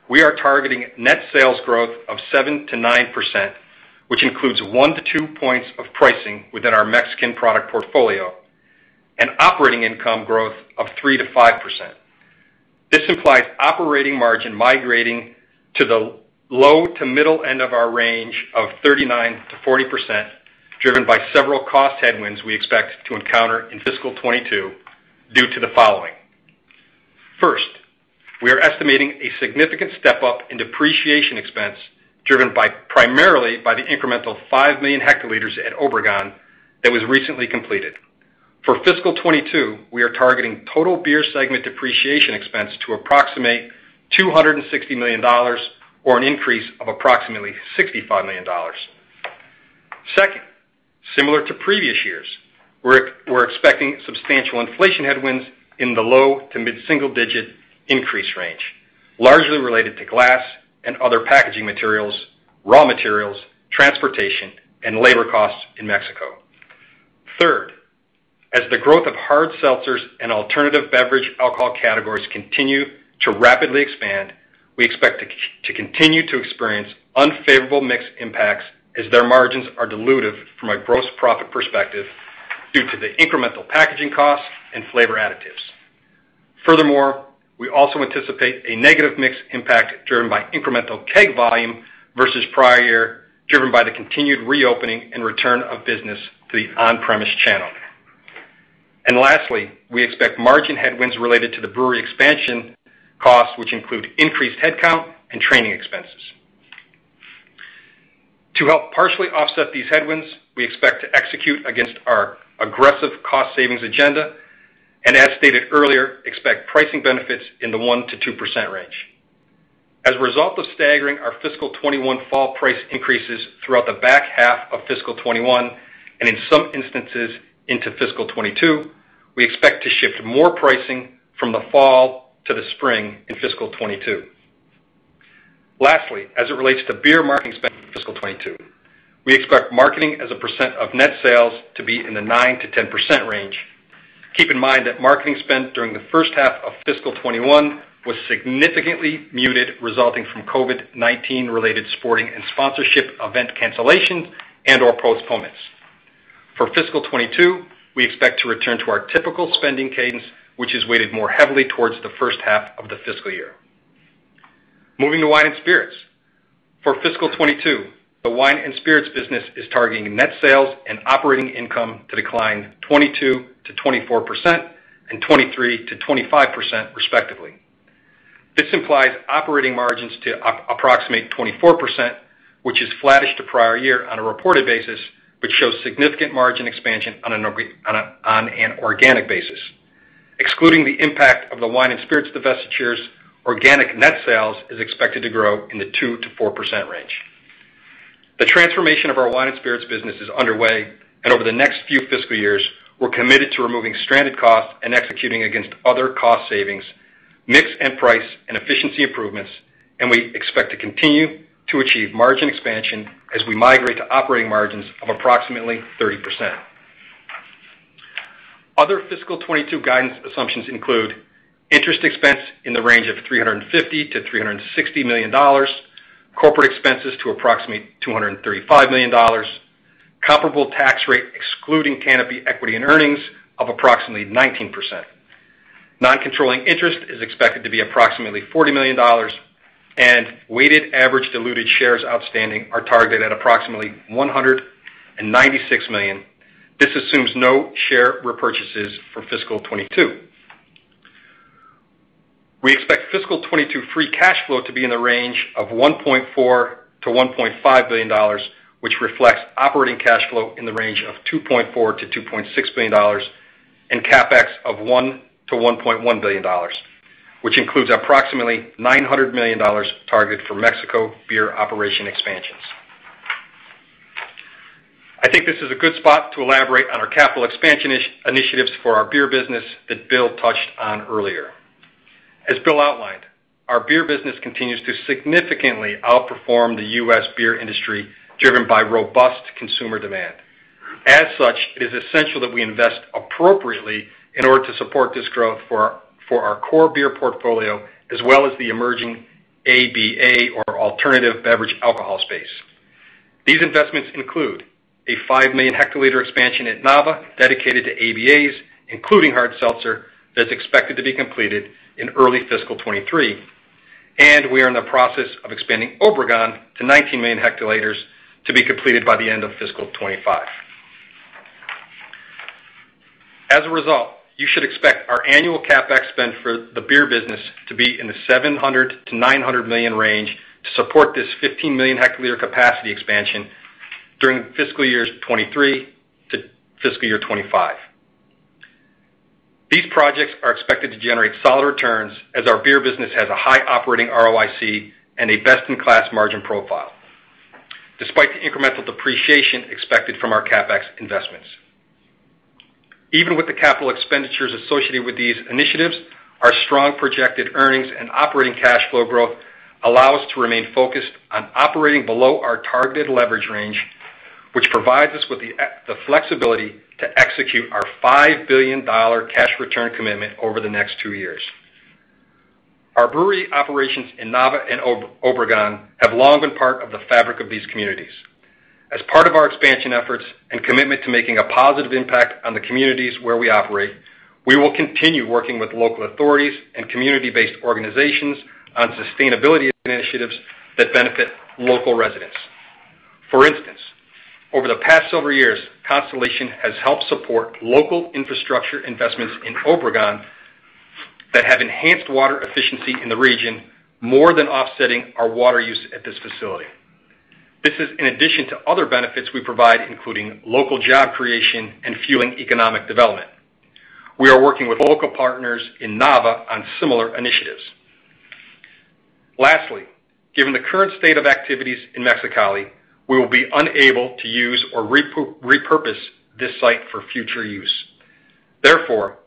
we are targeting net sales growth of 7%-9%, which includes one to two points of pricing within our Mexican product portfolio, and operating income growth of 3%-5%. This implies operating margin migrating to the low to middle end of our range of 39%-40%, driven by several cost headwinds we expect to encounter in fiscal 2022 due to the following. First, we are estimating a significant step-up in depreciation expense driven primarily by the incremental 5-million-hectoliters at Obregón that was recently completed. For fiscal 2022, we are targeting total beer segment depreciation expense to approximate $260 million, or an increase of approximately $65 million. Second, similar to previous years, we're expecting substantial inflation headwinds in the low to mid-single-digit increase range, largely related to glass and other packaging materials, raw materials, transportation, and labor costs in Mexico. Third, as the growth of hard seltzers and alternative beverage alcohol categories continue to rapidly expand, we expect to continue to experience unfavorable mix impacts as their margins are dilutive from a gross profit perspective due to the incremental packaging costs and flavor additives. Furthermore, we also anticipate a negative mix impact driven by incremental keg volume versus prior year, driven by the continued reopening and return of business to the on-premise channel. Lastly, we expect margin headwinds related to the brewery expansion costs, which include increased headcount and training expenses. To help partially offset these headwinds, we expect to execute against our aggressive cost savings agenda, and as stated earlier, expect pricing benefits in the 1%-2% range. As a result of staggering our fiscal 2021 fall price increases throughout the back half of fiscal 2021, and in some instances into fiscal 2022, we expect to shift more pricing from the fall to the spring in fiscal 2022. Lastly, as it relates to beer marketing spend in fiscal 2022, we expect marketing as a percent of net sales to be in the 9%-10% range. Keep in mind that marketing spend during the first half of fiscal 2021 was significantly muted, resulting from COVID-19 related sporting and sponsorship event cancellations and/or postponements. For fiscal 2022, we expect to return to our typical spending cadence, which is weighted more heavily towards the first half of the fiscal year. Moving to wine and spirits. For fiscal 2022, the wine and spirits business is targeting net sales and operating income to decline 22%-24% and 23%-25% respectively. This implies operating margins to approximate 24%, which is flattish to prior year on a reported basis, but shows significant margin expansion on an organic basis. Excluding the impact of the wine and spirits divestitures, organic net sales is expected to grow in the 2%-4% range. The transformation of our wine and spirits business is underway. Over the next few fiscal years, we're committed to removing stranded costs and executing against other cost savings, mix and price and efficiency improvements. We expect to continue to achieve margin expansion as we migrate to operating margins of approximately 30%. Other fiscal 2022 guidance assumptions include interest expense in the range of $350 million-$360 million, corporate expenses to approximate $235 million, comparable tax rate excluding Canopy equity in earnings of approximately 19%. Non-controlling interest is expected to be approximately $40 million. Weighted average diluted shares outstanding are targeted at approximately 196 million. This assumes no share repurchases for fiscal 2022. We expect fiscal 2022 free cash flow to be in the range of $1.4 billion-$1.5 billion, which reflects operating cash flow in the range of $2.4 billion-$2.6 billion, and CapEx of $1 billion-$1.1 billion, which includes approximately $900 million targeted for Mexico beer operation expansions. I think this is a good spot to elaborate on our capital expansion initiatives for our beer business that Bill touched on earlier. As Bill outlined, our beer business continues to significantly outperform the U.S. beer industry, driven by robust consumer demand. As such, it is essential that we invest appropriately in order to support this growth for our core beer portfolio, as well as the emerging ABA or alternative beverage alcohol space. These investments include a 5-million-hectoliter expansion at Nava dedicated to ABAs, including hard seltzer, that's expected to be completed in early fiscal 2023. We are in the process of expanding Obregón to 19 million hectoliters to be completed by the end of fiscal 2025. As a result, you should expect our annual CapEx spend for the beer business to be in the $700 million-$900 million range to support this 15-million-hectoliter capacity expansion during fiscal years 2023 to fiscal year 2025. These projects are expected to generate solid returns as our beer business has a high operating ROIC and a best-in-class margin profile, despite the incremental depreciation expected from our CapEx investments. Even with the capital expenditures associated with these initiatives, our strong projected earnings and operating cash flow growth allow us to remain focused on operating below our targeted leverage range, which provides us with the flexibility to execute our $5 billion cash return commitment over the next two years. Our brewery operations in Nava and Obregón have long been part of the fabric of these communities. As part of our expansion efforts and commitment to making a positive impact on the communities where we operate, we will continue working with local authorities and community-based organizations on sustainability initiatives that benefit local residents. For instance, over the past several years, Constellation has helped support local infrastructure investments in Obregón that have enhanced water efficiency in the region, more than offsetting our water use at this facility. This is in addition to other benefits we provide, including local job creation and fueling economic development. We are working with local partners in Nava on similar initiatives. Lastly, given the current state of activities in Mexicali, we will be unable to use or repurpose this site for future use.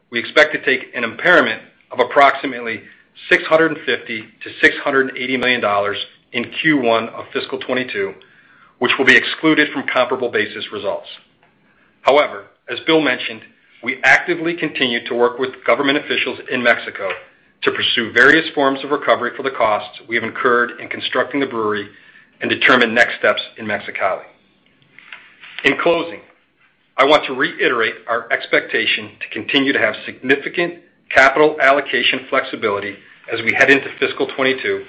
We expect to take an impairment of approximately $650 million-$680 million in Q1 of fiscal 2022, which will be excluded from comparable basis results. As Bill mentioned, we actively continue to work with government officials in Mexico to pursue various forms of recovery for the costs we have incurred in constructing the brewery and determine next steps in Mexicali. In closing, I want to reiterate our expectation to continue to have significant capital allocation flexibility as we head into fiscal 2022,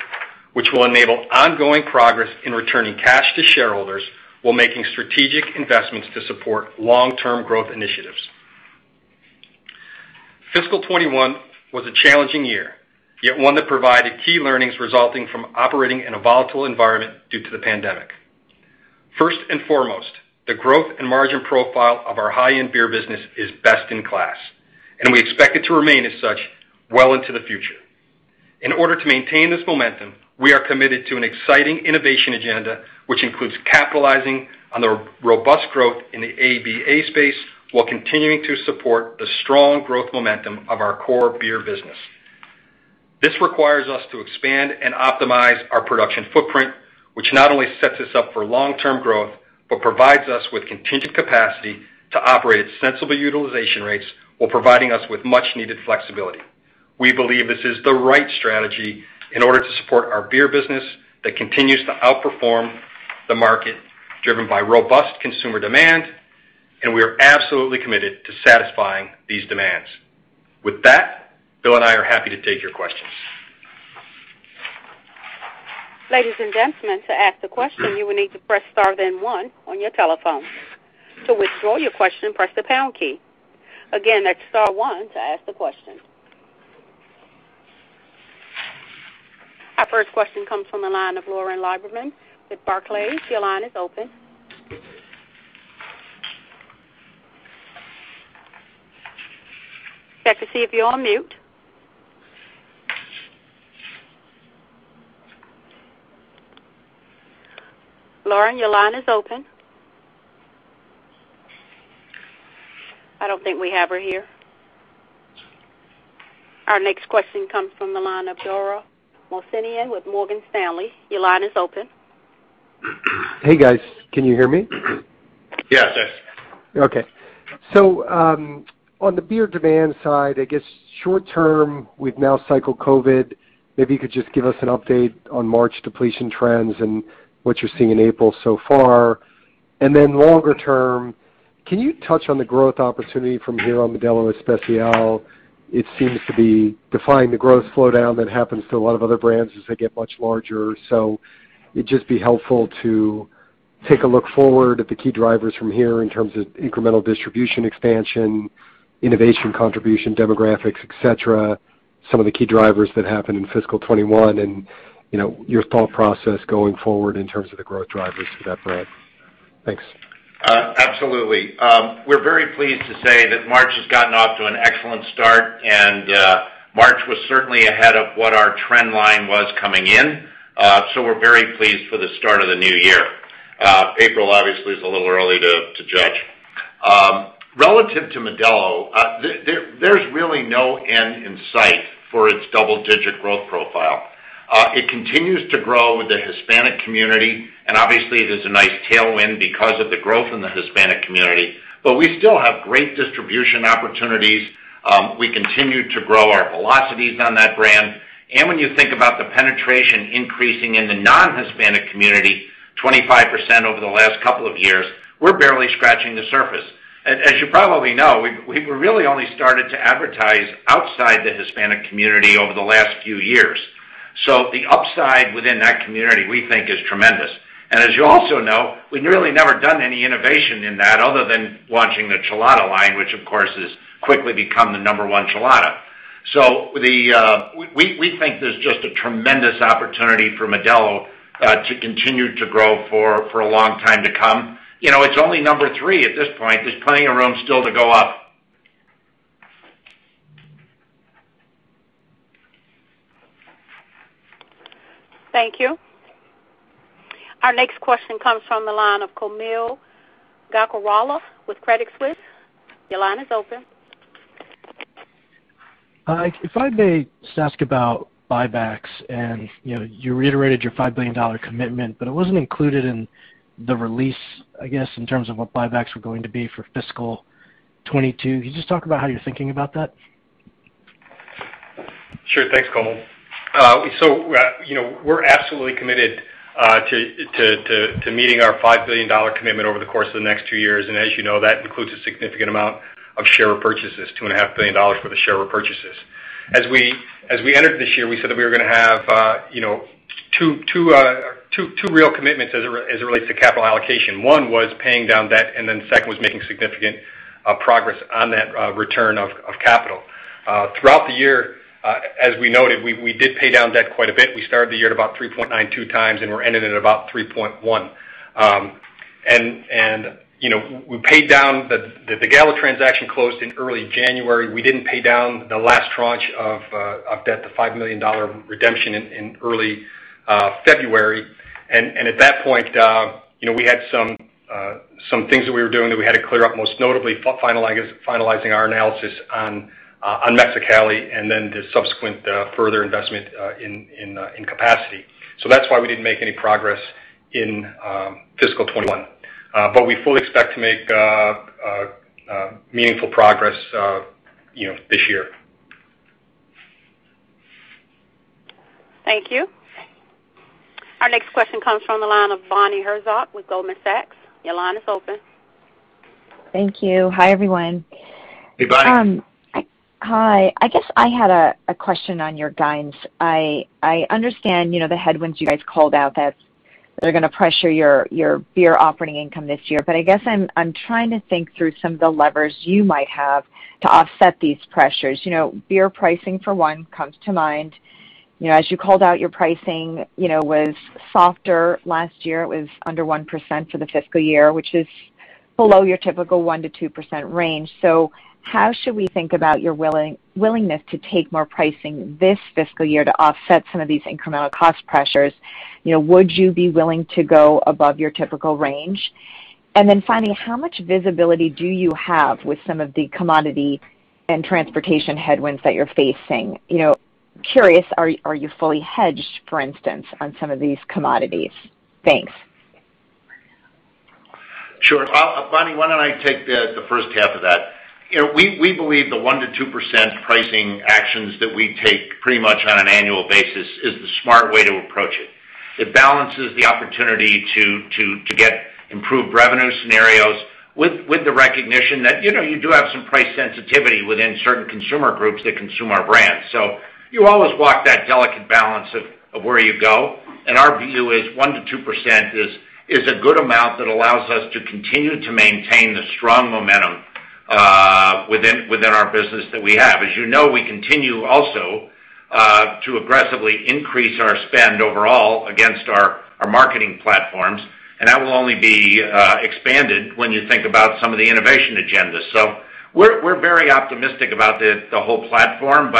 which will enable ongoing progress in returning cash to shareholders while making strategic investments to support long-term growth initiatives. Fiscal 2021 was a challenging year, yet one that provided key learnings resulting from operating in a volatile environment due to the pandemic. First and foremost, the growth and margin profile of our high-end beer business is best in class, and we expect it to remain as such well into the future. In order to maintain this momentum, we are committed to an exciting innovation agenda, which includes capitalizing on the robust growth in the ABA space while continuing to support the strong growth momentum of our core beer business. This requires us to expand and optimize our production footprint, which not only sets us up for long-term growth, but provides us with contingent capacity to operate at sensible utilization rates while providing us with much needed flexibility. We believe this is the right strategy in order to support our beer business that continues to outperform the market driven by robust consumer demand, and we are absolutely committed to satisfying these demands. With that, Bill and I are happy to take your questions. Ladies and gentlemen, to ask the question, you will need to press star, then one on your telephone. To withdraw your question, press the pound key. Again, that's star one to ask the question. Our first question comes from the line of Lauren Lieberman with Barclays. Your line is open. Check to see if you're on mute. Lauren, your line is open. I don't think we have her here. Our next question comes from the line of Dara Mohsenian with Morgan Stanley. Your line is open. Hey, guys. Can you hear me? Yes. Okay. On the beer demand side, I guess short term, we've now cycled COVID. Maybe you could just give us an update on March depletion trends and what you're seeing in April so far. Longer term, can you touch on the growth opportunity from here on Modelo Especial? It seems to be defying the growth slowdown that happens to a lot of other brands as they get much larger. It'd just be helpful to take a look forward at the key drivers from here in terms of incremental distribution expansion, innovation contribution, demographics, et cetera, some of the key drivers that happened in fiscal 2021, and your thought process going forward in terms of the growth drivers for that brand. Thanks. Absolutely. We're very pleased to say that March has gotten off to an excellent start. March was certainly ahead of what our trend line was coming in. We're very pleased for the start of the new year. April obviously is a little early to judge. Relative to Modelo, there's really no end in sight for its double-digit growth profile. It continues to grow with the Hispanic community. Obviously there's a nice tailwind because of the growth in the Hispanic community. We still have great distribution opportunities. We continue to grow our velocities on that brand. When you think about the penetration increasing in the non-Hispanic community, 25% over the last couple of years, we're barely scratching the surface. As you probably know, we really only started to advertise outside the Hispanic community over the last few years. The upside within that community, we think, is tremendous. As you also know, we've really never done any innovation in that other than launching the Chelada line, which of course, has quickly become the number one Chelada. We think there's just a tremendous opportunity for Modelo to continue to grow for a long time to come. It's only number three at this point. There's plenty of room still to go up. Thank you. Our next question comes from the line of Kaumil Gajrawala with Credit Suisse. Your line is open. Garth, if I may just ask about buybacks. You reiterated your $5 billion commitment, but it wasn't included in the release, I guess, in terms of what buybacks were going to be for fiscal 2022. Can you just talk about how you're thinking about that? Sure. Thanks, Kaumil. We're absolutely committed to meeting our $5 billion commitment over the course of the next two years. As you know, that includes a significant amount of share purchases, $2.5 billion worth of share repurchases. As we entered this year, we said that we were going to have two real commitments as it relates to capital allocation. One was paying down debt, second was making significant progress on that return of capital. Throughout the year, as we noted, we did pay down debt quite a bit. We started the year at about 3.92x, we're ending at about 3.1x. We paid down the Gallo transaction closed in early January. We didn't pay down the last tranche of debt, the $500 million redemption, in early February. At that point, we had some things that we were doing that we had to clear up, most notably finalizing our analysis on Mexicali and then the subsequent further investment in capacity. That's why we didn't make any progress in fiscal 2021. We fully expect to make meaningful progress this year. Thank you. Our next question comes from the line of Bonnie Herzog with Goldman Sachs. Your line is open. Thank you. Hi, everyone. Hey, Bonnie. Hi. I guess I had a question on your guidance. I understand the headwinds you guys called out that are going to pressure your beer operating income this year, I guess I'm trying to think through some of the levers you might have to offset these pressures. Beer pricing, for one, comes to mind. As you called out, your pricing was softer last year. It was under 1% for the fiscal year, which is below your typical 1%-2% range. How should we think about your willingness to take more pricing this fiscal year to offset some of these incremental cost pressures? Would you be willing to go above your typical range? Finally, how much visibility do you have with some of the commodity and transportation headwinds that you're facing? Curious, are you fully hedged, for instance, on some of these commodities? Thanks. Sure. Bonnie, why don't I take the first half of that? We believe the 1%-2% pricing actions that we take pretty much on an annual basis is the smart way to approach it. It balances the opportunity to get improved revenue scenarios with the recognition that you do have some price sensitivity within certain consumer groups that consume our brands. You always walk that delicate balance of where you go. Our view is 1%-2% is a good amount that allows us to continue to maintain the strong momentum within our business that we have. As you know, we continue also to aggressively increase our spend overall against our marketing platforms, that will only be expanded when you think about some of the innovation agendas. We're very optimistic about the whole platform.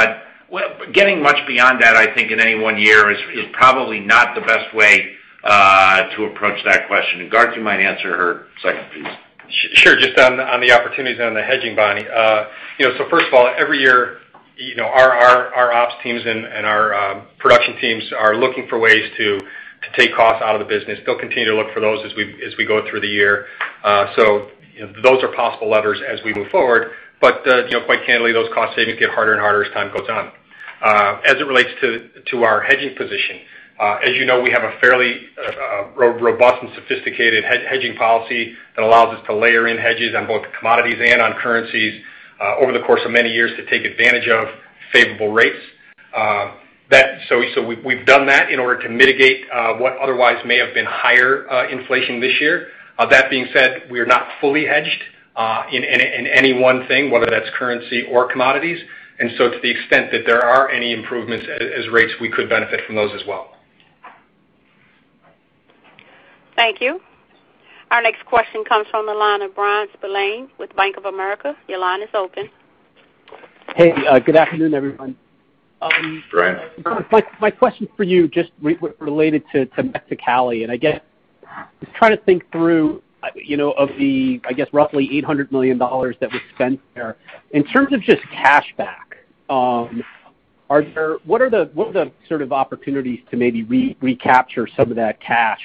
Getting much beyond that, I think, in any one year is probably not the best way to approach that question. Garth, you might answer her second piece. Sure. Just on the opportunities on the hedging, Bonnie. First of all, every year, our ops teams and our production teams are looking for ways to take costs out of the business. They'll continue to look for those as we go through the year. Those are possible levers as we move forward. Quite candidly, those cost savings get harder and harder as time goes on. As it relates to our hedging position, as you know, we have a fairly robust and sophisticated hedging policy that allows us to layer in hedges on both commodities and on currencies over the course of many years to take advantage of favorable rates. We've done that in order to mitigate what otherwise may have been higher inflation this year. That being said, we are not fully hedged in any one thing, whether that's currency or commodities. To the extent that there are any improvements as rates, we could benefit from those as well. Thank you. Our next question comes from the line of Bryan Spillane with Bank of America. Your line is open. Hey, good afternoon, everyone. Bryan. My question for you, just related to Mexicali, I guess, just trying to think through, of the, I guess, roughly $800 million that was spent there. In terms of just cash back, what are the sort of opportunities to maybe recapture some of that cash,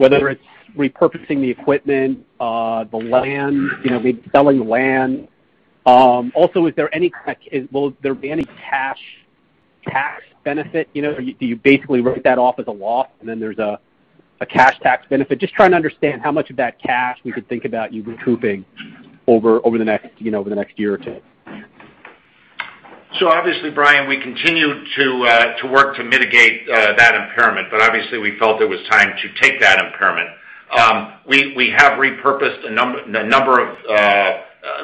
whether it's repurposing the equipment, the land, selling land? Will there be any cash tax benefit? Do you basically write that off as a loss and then there's a cash tax benefit? Just trying to understand how much of that cash we could think about you recouping over the next year or two. Obviously, Bryan, we continue to work to mitigate that impairment, but obviously we felt it was time to take that impairment. We have repurposed a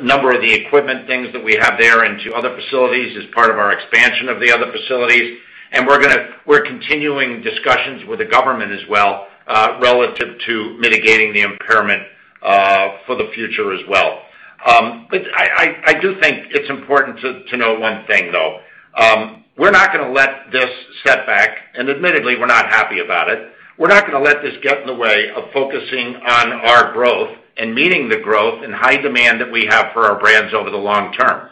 number of the equipment things that we have there into other facilities as part of our expansion of the other facilities. We're continuing discussions with the government as well relative to mitigating the impairment for the future as well. I do think it's important to know one thing, though. We're not going to let this set back, and admittedly, we're not happy about it. We're not going to let this get in the way of focusing on our growth and meeting the growth and high demand that we have for our brands over the long term.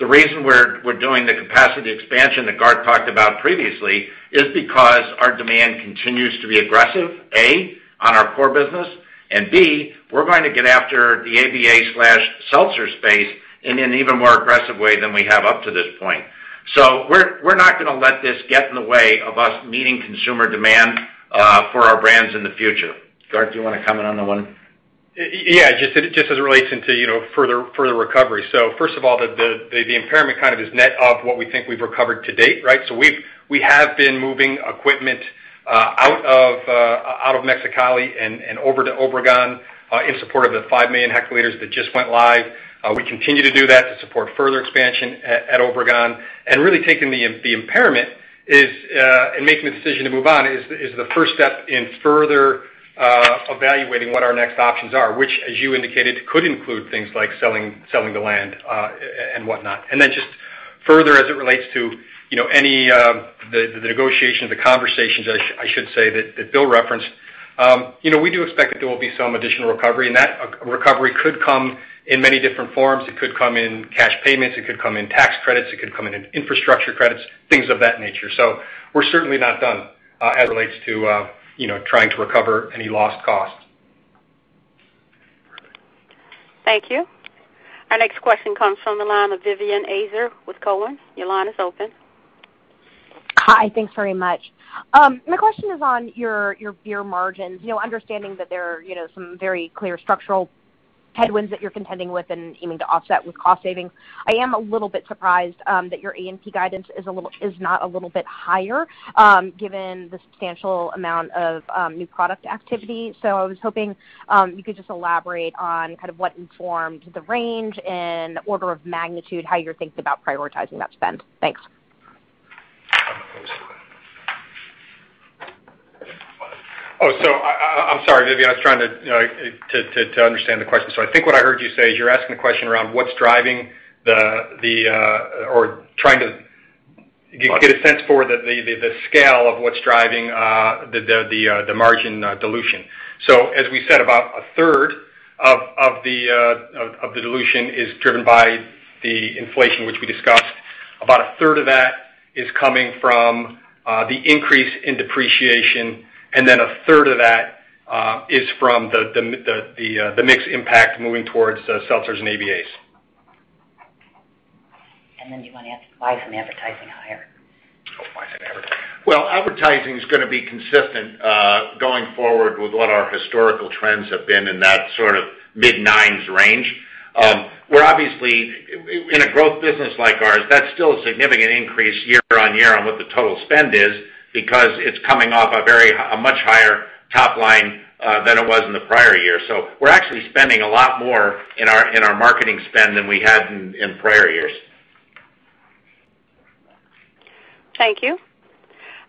The reason we're doing the capacity expansion that Garth talked about previously is because our demand continues to be aggressive, A, on our core business, and B, we're going to get after the ABA/Seltzer space in an even more aggressive way than we have up to this point. We're not going to let this get in the way of us meeting consumer demand for our brands in the future. Garth, do you want to comment on that one? Yeah. Just as it relates into further recovery. First of all, the impairment kind of is net of what we think we've recovered to date, right? We have been moving equipment out of Mexicali and over to Obregón, in support of the 5-million-hectoliters that just went live. We continue to do that to support further expansion at Obregón, and really taking the impairment, and making the decision to move on is the first step in further evaluating what our next options are, which, as you indicated, could include things like selling the land, and whatnot. Just further as it relates to the negotiation, the conversations, I should say, that Bill referenced. We do expect that there will be some additional recovery, and that recovery could come in many different forms. It could come in cash payments, it could come in tax credits, it could come in infrastructure credits, things of that nature. We're certainly not done, as it relates to trying to recover any lost costs. Perfect. Thank you. Our next question comes from the line of Vivien Azer with Cowen. Your line is open. Hi. Thanks very much. My question is on your beer margins. Understanding that there are some very clear structural headwinds that you're contending with and aiming to offset with cost savings. I am a little bit surprised that your A&P guidance is not a little bit higher, given the substantial amount of new product activity. I was hoping you could just elaborate on kind of what informed the range and order of magnitude, how you're thinking about prioritizing that spend. Thanks. I'm sorry, Vivien. I was trying to understand the question. I think what I heard you say is you're asking the question around trying to get a sense for the scale of what's driving the margin dilution. As we said, about a third of the dilution is driven by the inflation, which we discussed. About a third of that is coming from the increase in depreciation, a third of that is from the mix impact moving towards the seltzers and ABAs. Do you want to add why some advertising out here? Oh, why some advertising. Advertising's going to be consistent, going forward with what our historical trends have been in that sort of mid-nines range. We're obviously in a growth business like ours, that's still a significant increase year-over-year on what the total spend is because it's coming off a much higher top line than it was in the prior year. We're actually spending a lot more in our marketing spend than we had in prior years. Thank you.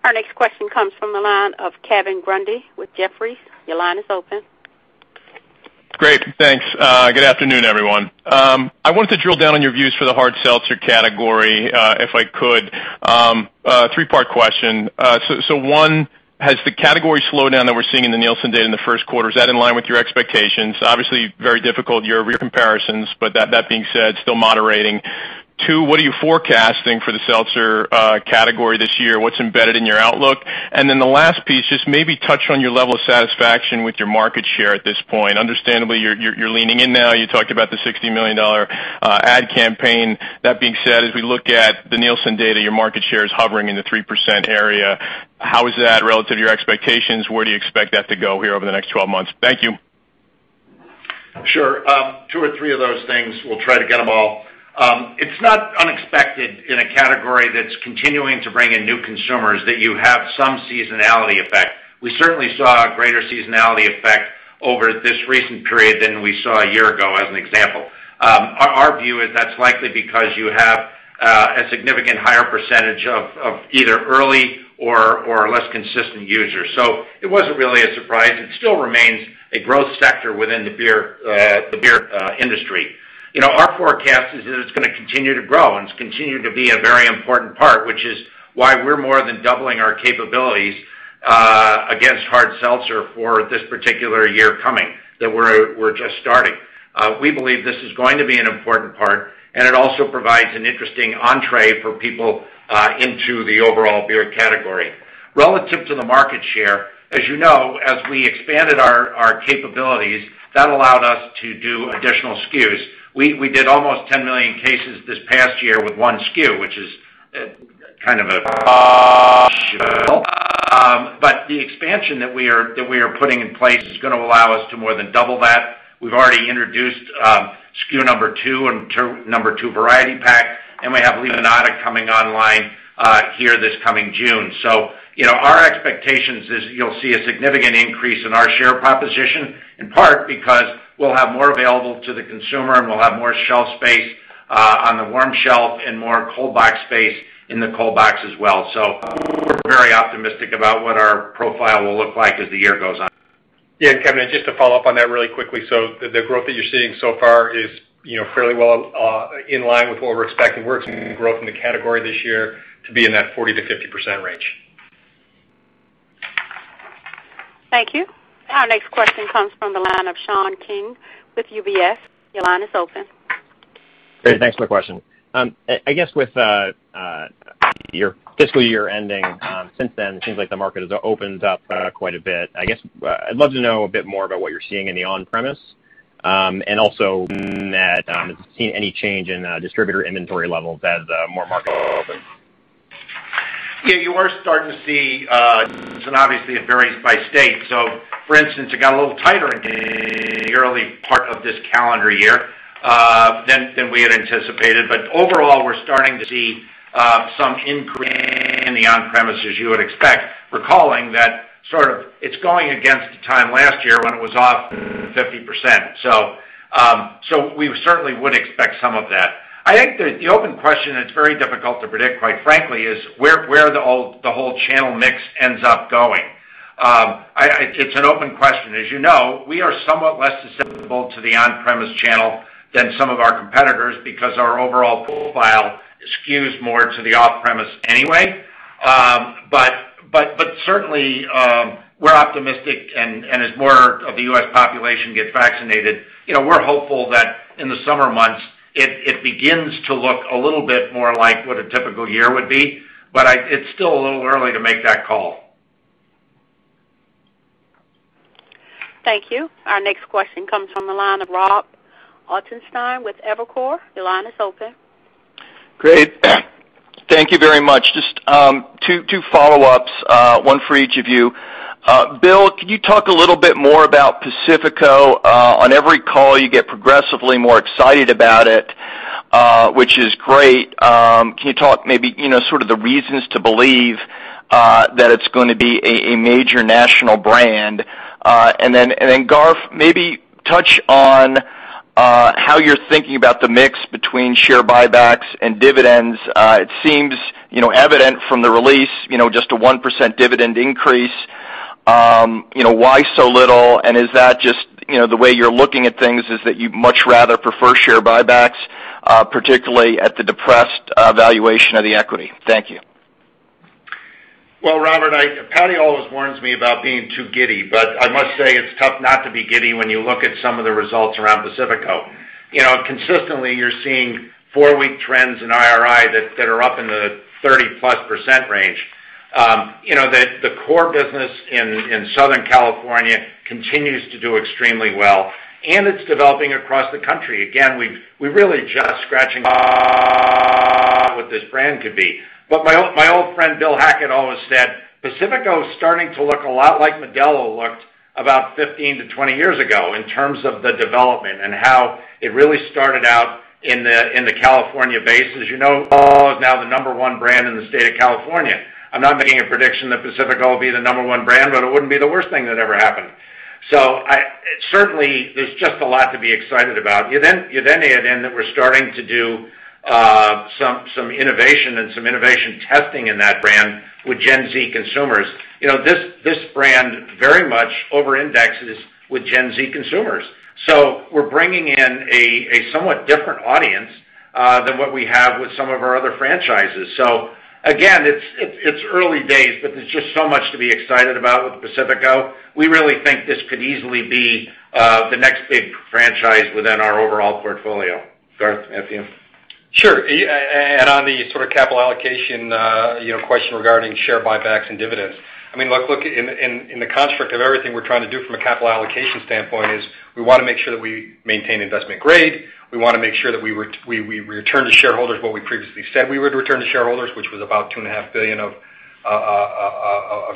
Our next question comes from the line of Kevin Grundy with Jefferies. Your line is open. Great, thanks. Good afternoon, everyone. I wanted to drill down on your views for the hard seltzer category, if I could. A three-part question. One, has the category slowdown that we're seeing in the Nielsen data in the first quarter, is that in line with your expectations? Obviously, very difficult year-over-year comparisons, but that being said, still moderating. Two, what are you forecasting for the seltzer category this year? What's embedded in your outlook? The last piece, just maybe touch on your level of satisfaction with your market share at this point. Understandably, you're leaning in now. You talked about the $60 million ad campaign. That being said, as we look at the Nielsen data, your market share is hovering in the 3% area. How is that relative to your expectations? Where do you expect that to go here over the next 12 months? Thank you. Sure. Two or three of those things. We'll try to get them all. It's not unexpected in a category that's continuing to bring in new consumers, that you have some seasonality effect. We certainly saw a greater seasonality effect over this recent period than we saw a year ago, as an example. Our view is that's likely because you have a significant higher percentage of either early or less consistent users. It wasn't really a surprise. It still remains a growth sector within the beer industry. Our forecast is that it's going to continue to grow and it's continuing to be a very important part, which is why we're more than doubling our capabilities against hard seltzer for this particular year coming, that we're just starting. We believe this is going to be an important part, and it also provides an interesting entrée for people into the overall beer category. Relative to the market share, as you know, as we expanded our capabilities, that allowed us to do additional SKUs. We did almost 10 million cases this past year with one SKU. The expansion that we are putting in place is going to allow us to more than double that. We've already introduced SKU number two and number two variety pack, and we have Limonada coming online here this coming June. Our expectation is you'll see a significant increase in our share proposition, in part because we'll have more available to the consumer and we'll have more shelf space on the warm shelf and more cold box space in the cold box as well. We're very optimistic about what our profile will look like as the year goes on. Yeah, Kevin, just to follow up on that really quickly. The growth that you're seeing so far is fairly well in line with what we're expecting. We're expecting growth in the category this year to be in that 40%-50% range. Thank you. Our next question comes from the line of Sean King with UBS. Your line is open. Great. Thanks for the question. I guess with your fiscal year ending, since then, it seems like the market has opened up quite a bit. I guess I'd love to know a bit more about what you're seeing in the on-premise. Also that, have you seen any change in distributor inventory levels as more markets open? Yeah, you are starting to see, and obviously it varies by state. For instance, it got a little tighter in the early part of this calendar year than we had anticipated. Overall, we're starting to see some increase in the on-premise, as you would expect, recalling that sort of it's going against the time last year when it was off 50%. We certainly would expect some of that. I think that the open question, and it's very difficult to predict, quite frankly, is where the whole channel mix ends up going. It's an open question. As you know, we are somewhat less susceptible to the on-premise channel than some of our competitors because our overall profile skews more to the off-premise anyway. Certainly, we're optimistic and as more of the U.S. population gets vaccinated, we're hopeful that in the summer months it begins to look a little bit more like what a typical year would be. It's still a little early to make that call. Thank you. Our next question comes from the line of Robert Ottenstein with Evercore. Your line is open. Great. Thank you very much. Just, two follow-ups, one for each of you. Bill, can you talk a little bit more about Pacifico? On every call you get progressively more excited about it, which is great. Can you talk maybe, sort of the reasons to believe, that it's going to be a major national brand? Garth, maybe touch on how you're thinking about the mix between share buybacks and dividends. It seems evident from the release, just a 1% dividend increase. Why so little is that just the way you're looking at things is that you'd much rather prefer share buybacks, particularly at the depressed valuation of the equity? Thank you. Well, Robert, Patty always warns me about being too giddy. I must say it's tough not to be giddy when you look at some of the results around Pacifico. Consistently you're seeing four-week trends in IRI that are up in the 30%+ range. The core business in Southern California continues to do extremely well. It's developing across the country. Again, we're really just scratching what this brand could be. My old friend Bill Hackett always said Pacifico is starting to look a lot like Modelo looked about 15-20 years ago in terms of the development and how it really started out in the California bases. As you know, Modelo is now the number 1 brand in the state of California. I'm not making a prediction that Pacifico will be the number 1 brand. It wouldn't be the worst thing that ever happened. Certainly, there's just a lot to be excited about. Add in that we're starting to do some innovation and some innovation testing in that brand with Gen Z consumers. This brand very much over-indexes with Gen Z consumers. We're bringing in a somewhat different audience, than what we have with some of our other franchises. Again, it's early days, but there's just so much to be excited about with Pacifico. We really think this could easily be the next big franchise within our overall portfolio. Garth Hankinson? Sure. On the sort of capital allocation question regarding share buybacks and dividends. Look, in the construct of everything we're trying to do from a capital allocation standpoint is we want to make sure that we maintain investment grade. We want to make sure that we return to shareholders what we previously said we would return to shareholders, which was about $2.5 billion of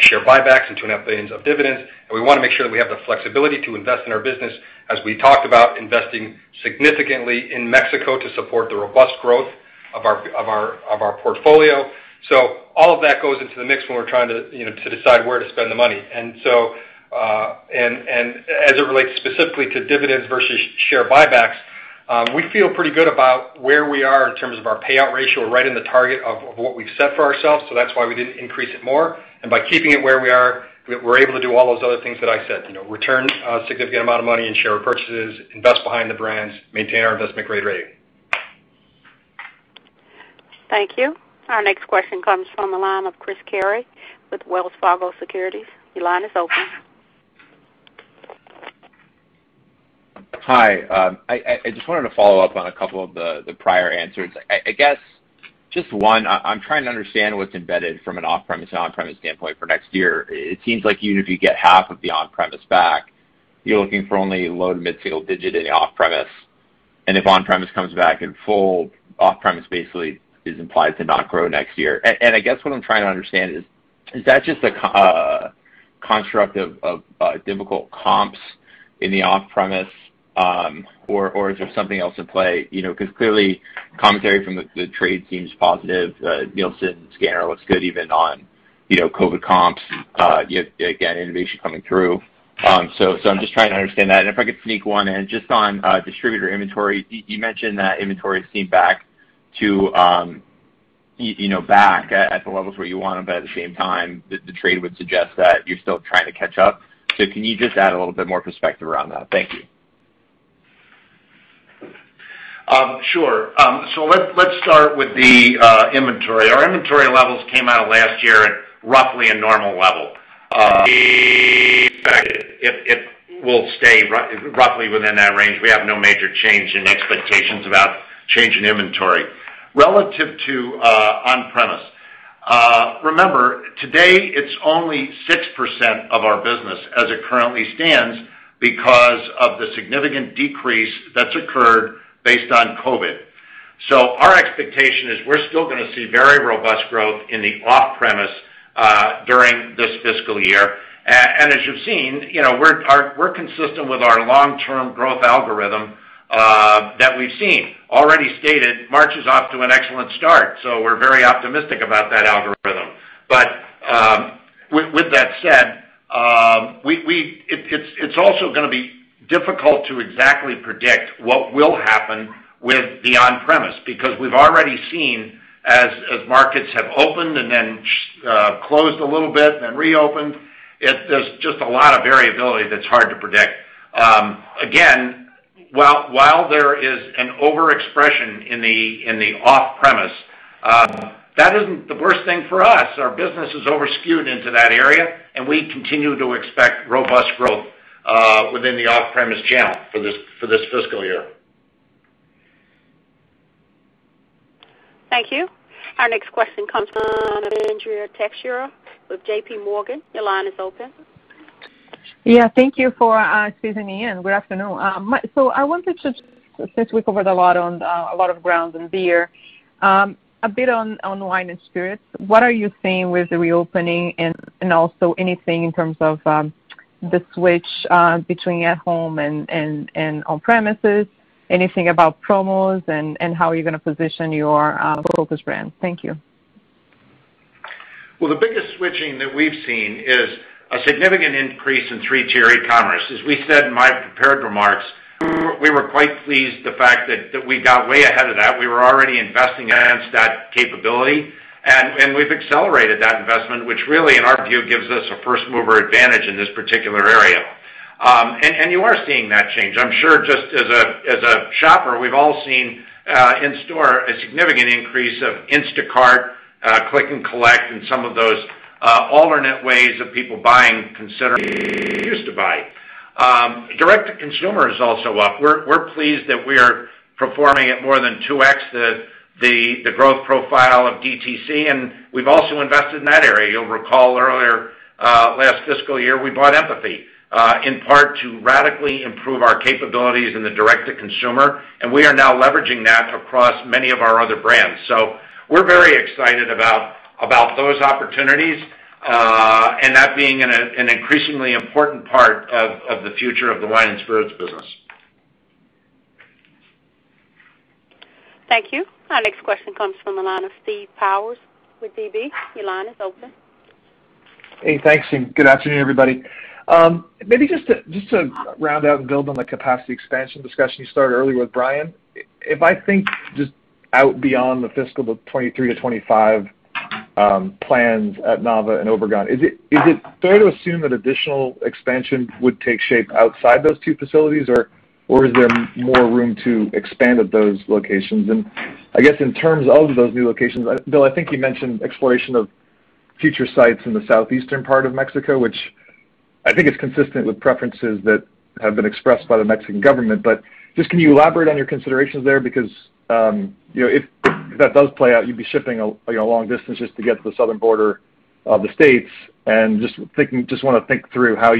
share buybacks and $2.5 billion of dividends. We want to make sure that we have the flexibility to invest in our business, as we talked about investing significantly in Mexico to support the robust growth of our portfolio. All of that goes into the mix when we're trying to decide where to spend the money. As it relates specifically to dividends versus share buybacks, we feel pretty good about where we are in terms of our payout ratio. We're right in the target of what we've set for ourselves, so that's why we didn't increase it more. By keeping it where we are, we're able to do all those other things that I said. Return a significant amount of money in share purchases, invest behind the brands, maintain our investment-grade rating. Thank you. Our next question comes from the line of Chris Carey with Wells Fargo Securities. Your line is open. Hi. I just wanted to follow up on a couple of the prior answers. I'm trying to understand what's embedded from an off-premise and on-premise standpoint for next year. It seems like even if you get half of the on-premise back, you're looking for only low to mid-single digit in the off-premise. If on-premise comes back in full, off-premise basically is implied to not grow next year. What I'm trying to understand is that just a construct of difficult comps in the off-premise, or is there something else at play? Clearly commentary from the trade seems positive. Nielsen scanner looks good even on COVID comps, yet again, innovation coming through. I'm just trying to understand that. If I could sneak one in, just on distributor inventory, you mentioned that inventory seemed back at the levels where you want them. At the same time, the trade would suggest that you're still trying to catch up. Can you just add a little bit more perspective around that? Thank you. Sure. Let's start with the inventory. Our inventory levels came out of last year at roughly a normal level. We expect it will stay roughly within that range. We have no major change in expectations about change in inventory. Relative to on-premise, remember today it's only 6% of our business as it currently stands because of the significant decrease that's occurred based on COVID. Our expectation is we're still going to see very robust growth in the off-premise during this fiscal year. As you've seen, we're consistent with our long-term growth algorithm that we've seen. Already stated, March is off to an excellent start, so we're very optimistic about that algorithm. With that said, it's also going to be difficult to exactly predict what will happen with the on-premise, because we've already seen as markets have opened and then closed a little bit, then reopened. There's just a lot of variability that's hard to predict. While there is an overexpression in the off-premise, that isn't the worst thing for us. Our business is over-skewed into that area, and we continue to expect robust growth within the off-premise channel for this fiscal year. Thank you. Our next question comes from Andrea Teixeira with JPMorgan. Your line is open. Yeah. Thank you for squeezing me in. Good afternoon. I wanted to, since we covered a lot of ground in beer, a bit on wine and spirits. What are you seeing with the reopening and also anything in terms of the switch between at-home and on-premises? Anything about promos and how you're going to position your focus brand? Thank you. The biggest switching that we've seen is a significant increase in three-tier e-commerce. As we said in my prepared remarks, we were quite pleased the fact that we got way ahead of that. We were already investing against that capability, and we've accelerated that investment, which really, in our view, gives us a first-mover advantage in this particular area. You are seeing that change. I'm sure just as a shopper, we've all seen in store a significant increase of Instacart, click-and-collect, and some of those alternate ways of people buying considering they used to buy. Direct-to-consumer is also up. We're pleased that we're performing at more than 2x the growth profile of DTC, and we've also invested in that area. You'll recall earlier, last fiscal year, we bought Empathy, in part to radically improve our capabilities in the direct-to-consumer, and we are now leveraging that across many of our other brands. We're very excited about those opportunities, and that being an increasingly important part of the future of the wine and spirits business. Thank you. Our next question comes from the line of Steve Powers with Deutsche Bank. Your line is open. Hey, thanks, and good afternoon, everybody. Maybe just to round out and build on the capacity expansion discussion you started earlier with Bryan. If I think just out beyond the fiscal 2023 to 2025 plans at Nava and Obregón, is it fair to assume that additional expansion would take shape outside those two facilities, or is there more room to expand at those locations? I guess in terms of those new locations, Bill, I think you mentioned exploration of future sites in the southeastern part of Mexico, which I think is consistent with preferences that have been expressed by the Mexican government. Just can you elaborate on your considerations there? Because, if that does play out, you'd be shipping a long distance just to get to the southern border of the U.S. Just want to think through how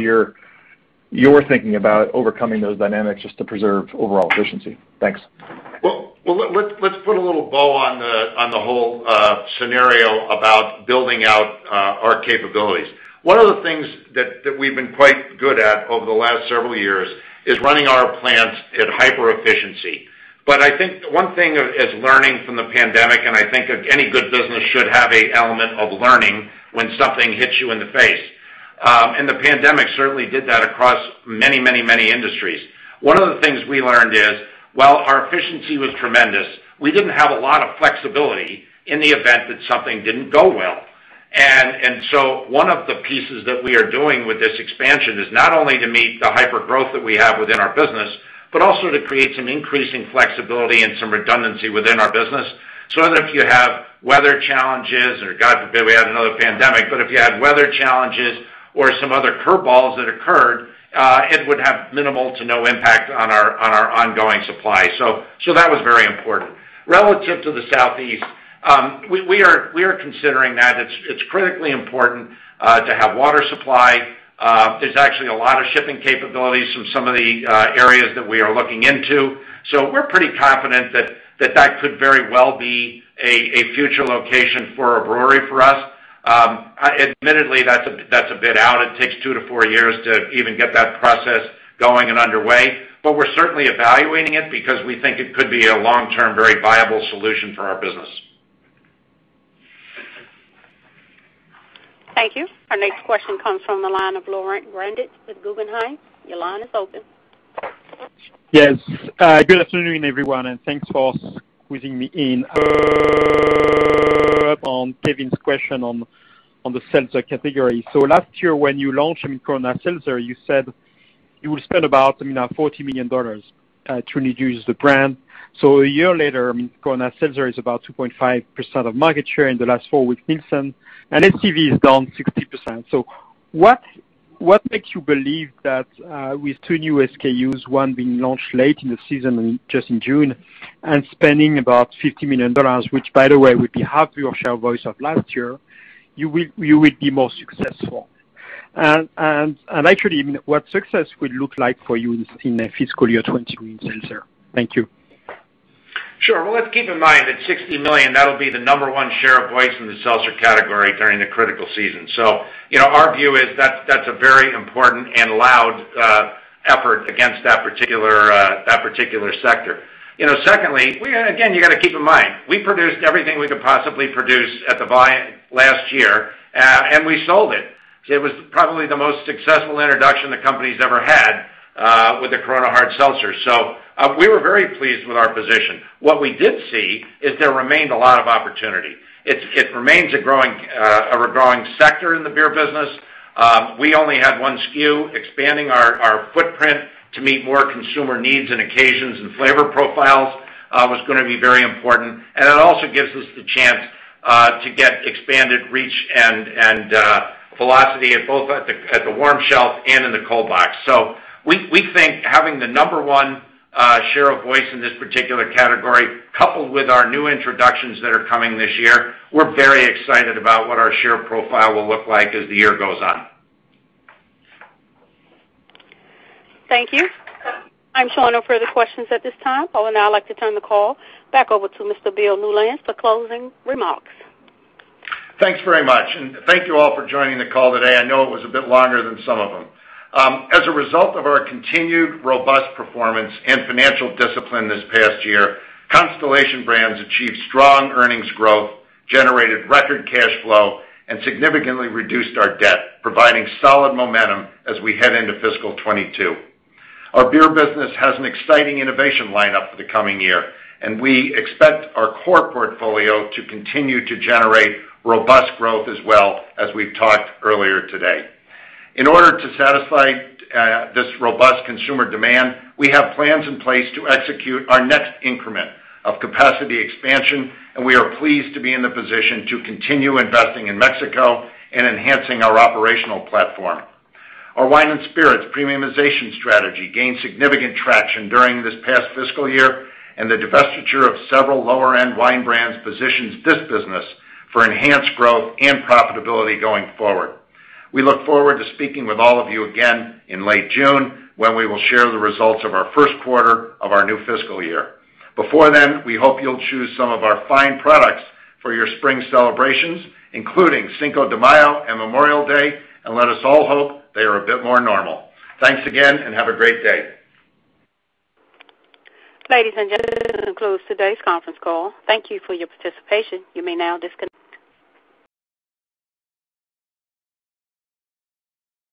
you're thinking about overcoming those dynamics just to preserve overall efficiency. Thanks. Let's put a little bow on the whole scenario about building out our capabilities. One of the things that we've been quite good at over the last several years is running our plants at hyperefficiency. I think one thing is learning from the pandemic, and I think any good business should have an element of learning when something hits you in the face. The pandemic certainly did that across many industries. One of the things we learned is while our efficiency was tremendous, we didn't have a lot of flexibility in the event that something didn't go well. One of the pieces that we are doing with this expansion is not only to meet the hypergrowth that we have within our business, but also to create some increasing flexibility and some redundancy within our business, so that if you have weather challenges, or God forbid, we had another pandemic. If you had weather challenges or some other curve balls that occurred, it would have minimal to no impact on our ongoing supply. That was very important. Relative to the Southeast, we are considering that. It's critically important to have water supply. There's actually a lot of shipping capabilities from some of the areas that we are looking into. We're pretty confident that that could very well be a future location for a brewery for us. Admittedly, that's a bit out. It takes two to four years to even get that process going and underway. We're certainly evaluating it because we think it could be a long-term, very viable solution for our business. Thank you. Our next question comes from the line of Laurent Grandet with Guggenheim. Your line is open. Yes. Good afternoon, everyone, and thanks for squeezing me in. On Kevin's question on the seltzer category. Last year when you launched Corona Seltzer, you said you will spend about $40 million to introduce the brand. A year later, Corona Seltzer is about 2.5% of market share in the last four weeks, Nielsen, and ACV is down 60%. What makes you believe that with two new SKUs, one being launched late in the season, just in June, and spending about $60 million, which by the way, would be half your share voice of last year, you will be more successful? Actually, what success will look like for you in fiscal year 2022 in seltzer? Thank you. Sure. Well, let's keep in mind that $60 million, that'll be the number one share of voice in the seltzer category during the critical season. Secondly, again, you got to keep in mind, we produced everything we could possibly produce at the volume last year, and we sold it. It was probably the most successful introduction the company's ever had, with the Corona Hard Seltzer. We were very pleased with our position. What we did see is there remained a lot of opportunity. It remains a growing sector in the beer business. We only had one SKU. Expanding our footprint to meet more consumer needs and occasions and flavor profiles, was going to be very important. It also gives us the chance to get expanded reach and velocity at both the warm shelf and in the cold box. We think having the number one share of voice in this particular category, coupled with our new introductions that are coming this year, we're very excited about what our share profile will look like as the year goes on. Thank you. I'm showing no further questions at this time. I would now like to turn the call back over to Mr. Bill Newlands for closing remarks. Thanks very much, and thank you all for joining the call today. I know it was a bit longer than some of them. As a result of our continued robust performance and financial discipline this past year, Constellation Brands achieved strong earnings growth, generated record cash flow, and significantly reduced our debt, providing solid momentum as we head into fiscal 2022. Our beer business has an exciting innovation lineup for the coming year, and we expect our core portfolio to continue to generate robust growth as well, as we've talked earlier today. In order to satisfy this robust consumer demand, we have plans in place to execute our next increment of capacity expansion, and we are pleased to be in the position to continue investing in Mexico and enhancing our operational platform. Our wine and spirits premiumization strategy gained significant traction during this past fiscal year, and the divestiture of several lower-end wine brands positions this business for enhanced growth and profitability going forward. We look forward to speaking with all of you again in late June, when we will share the results of our first quarter of our new fiscal year. Before then, we hope you'll choose some of our fine products for your spring celebrations, including Cinco de Mayo and Memorial Day, and let us all hope they are a bit more normal. Thanks again, and have a great day. Ladies and gentlemen, this concludes today's conference call. Thank you for your participation. You may now disconnect.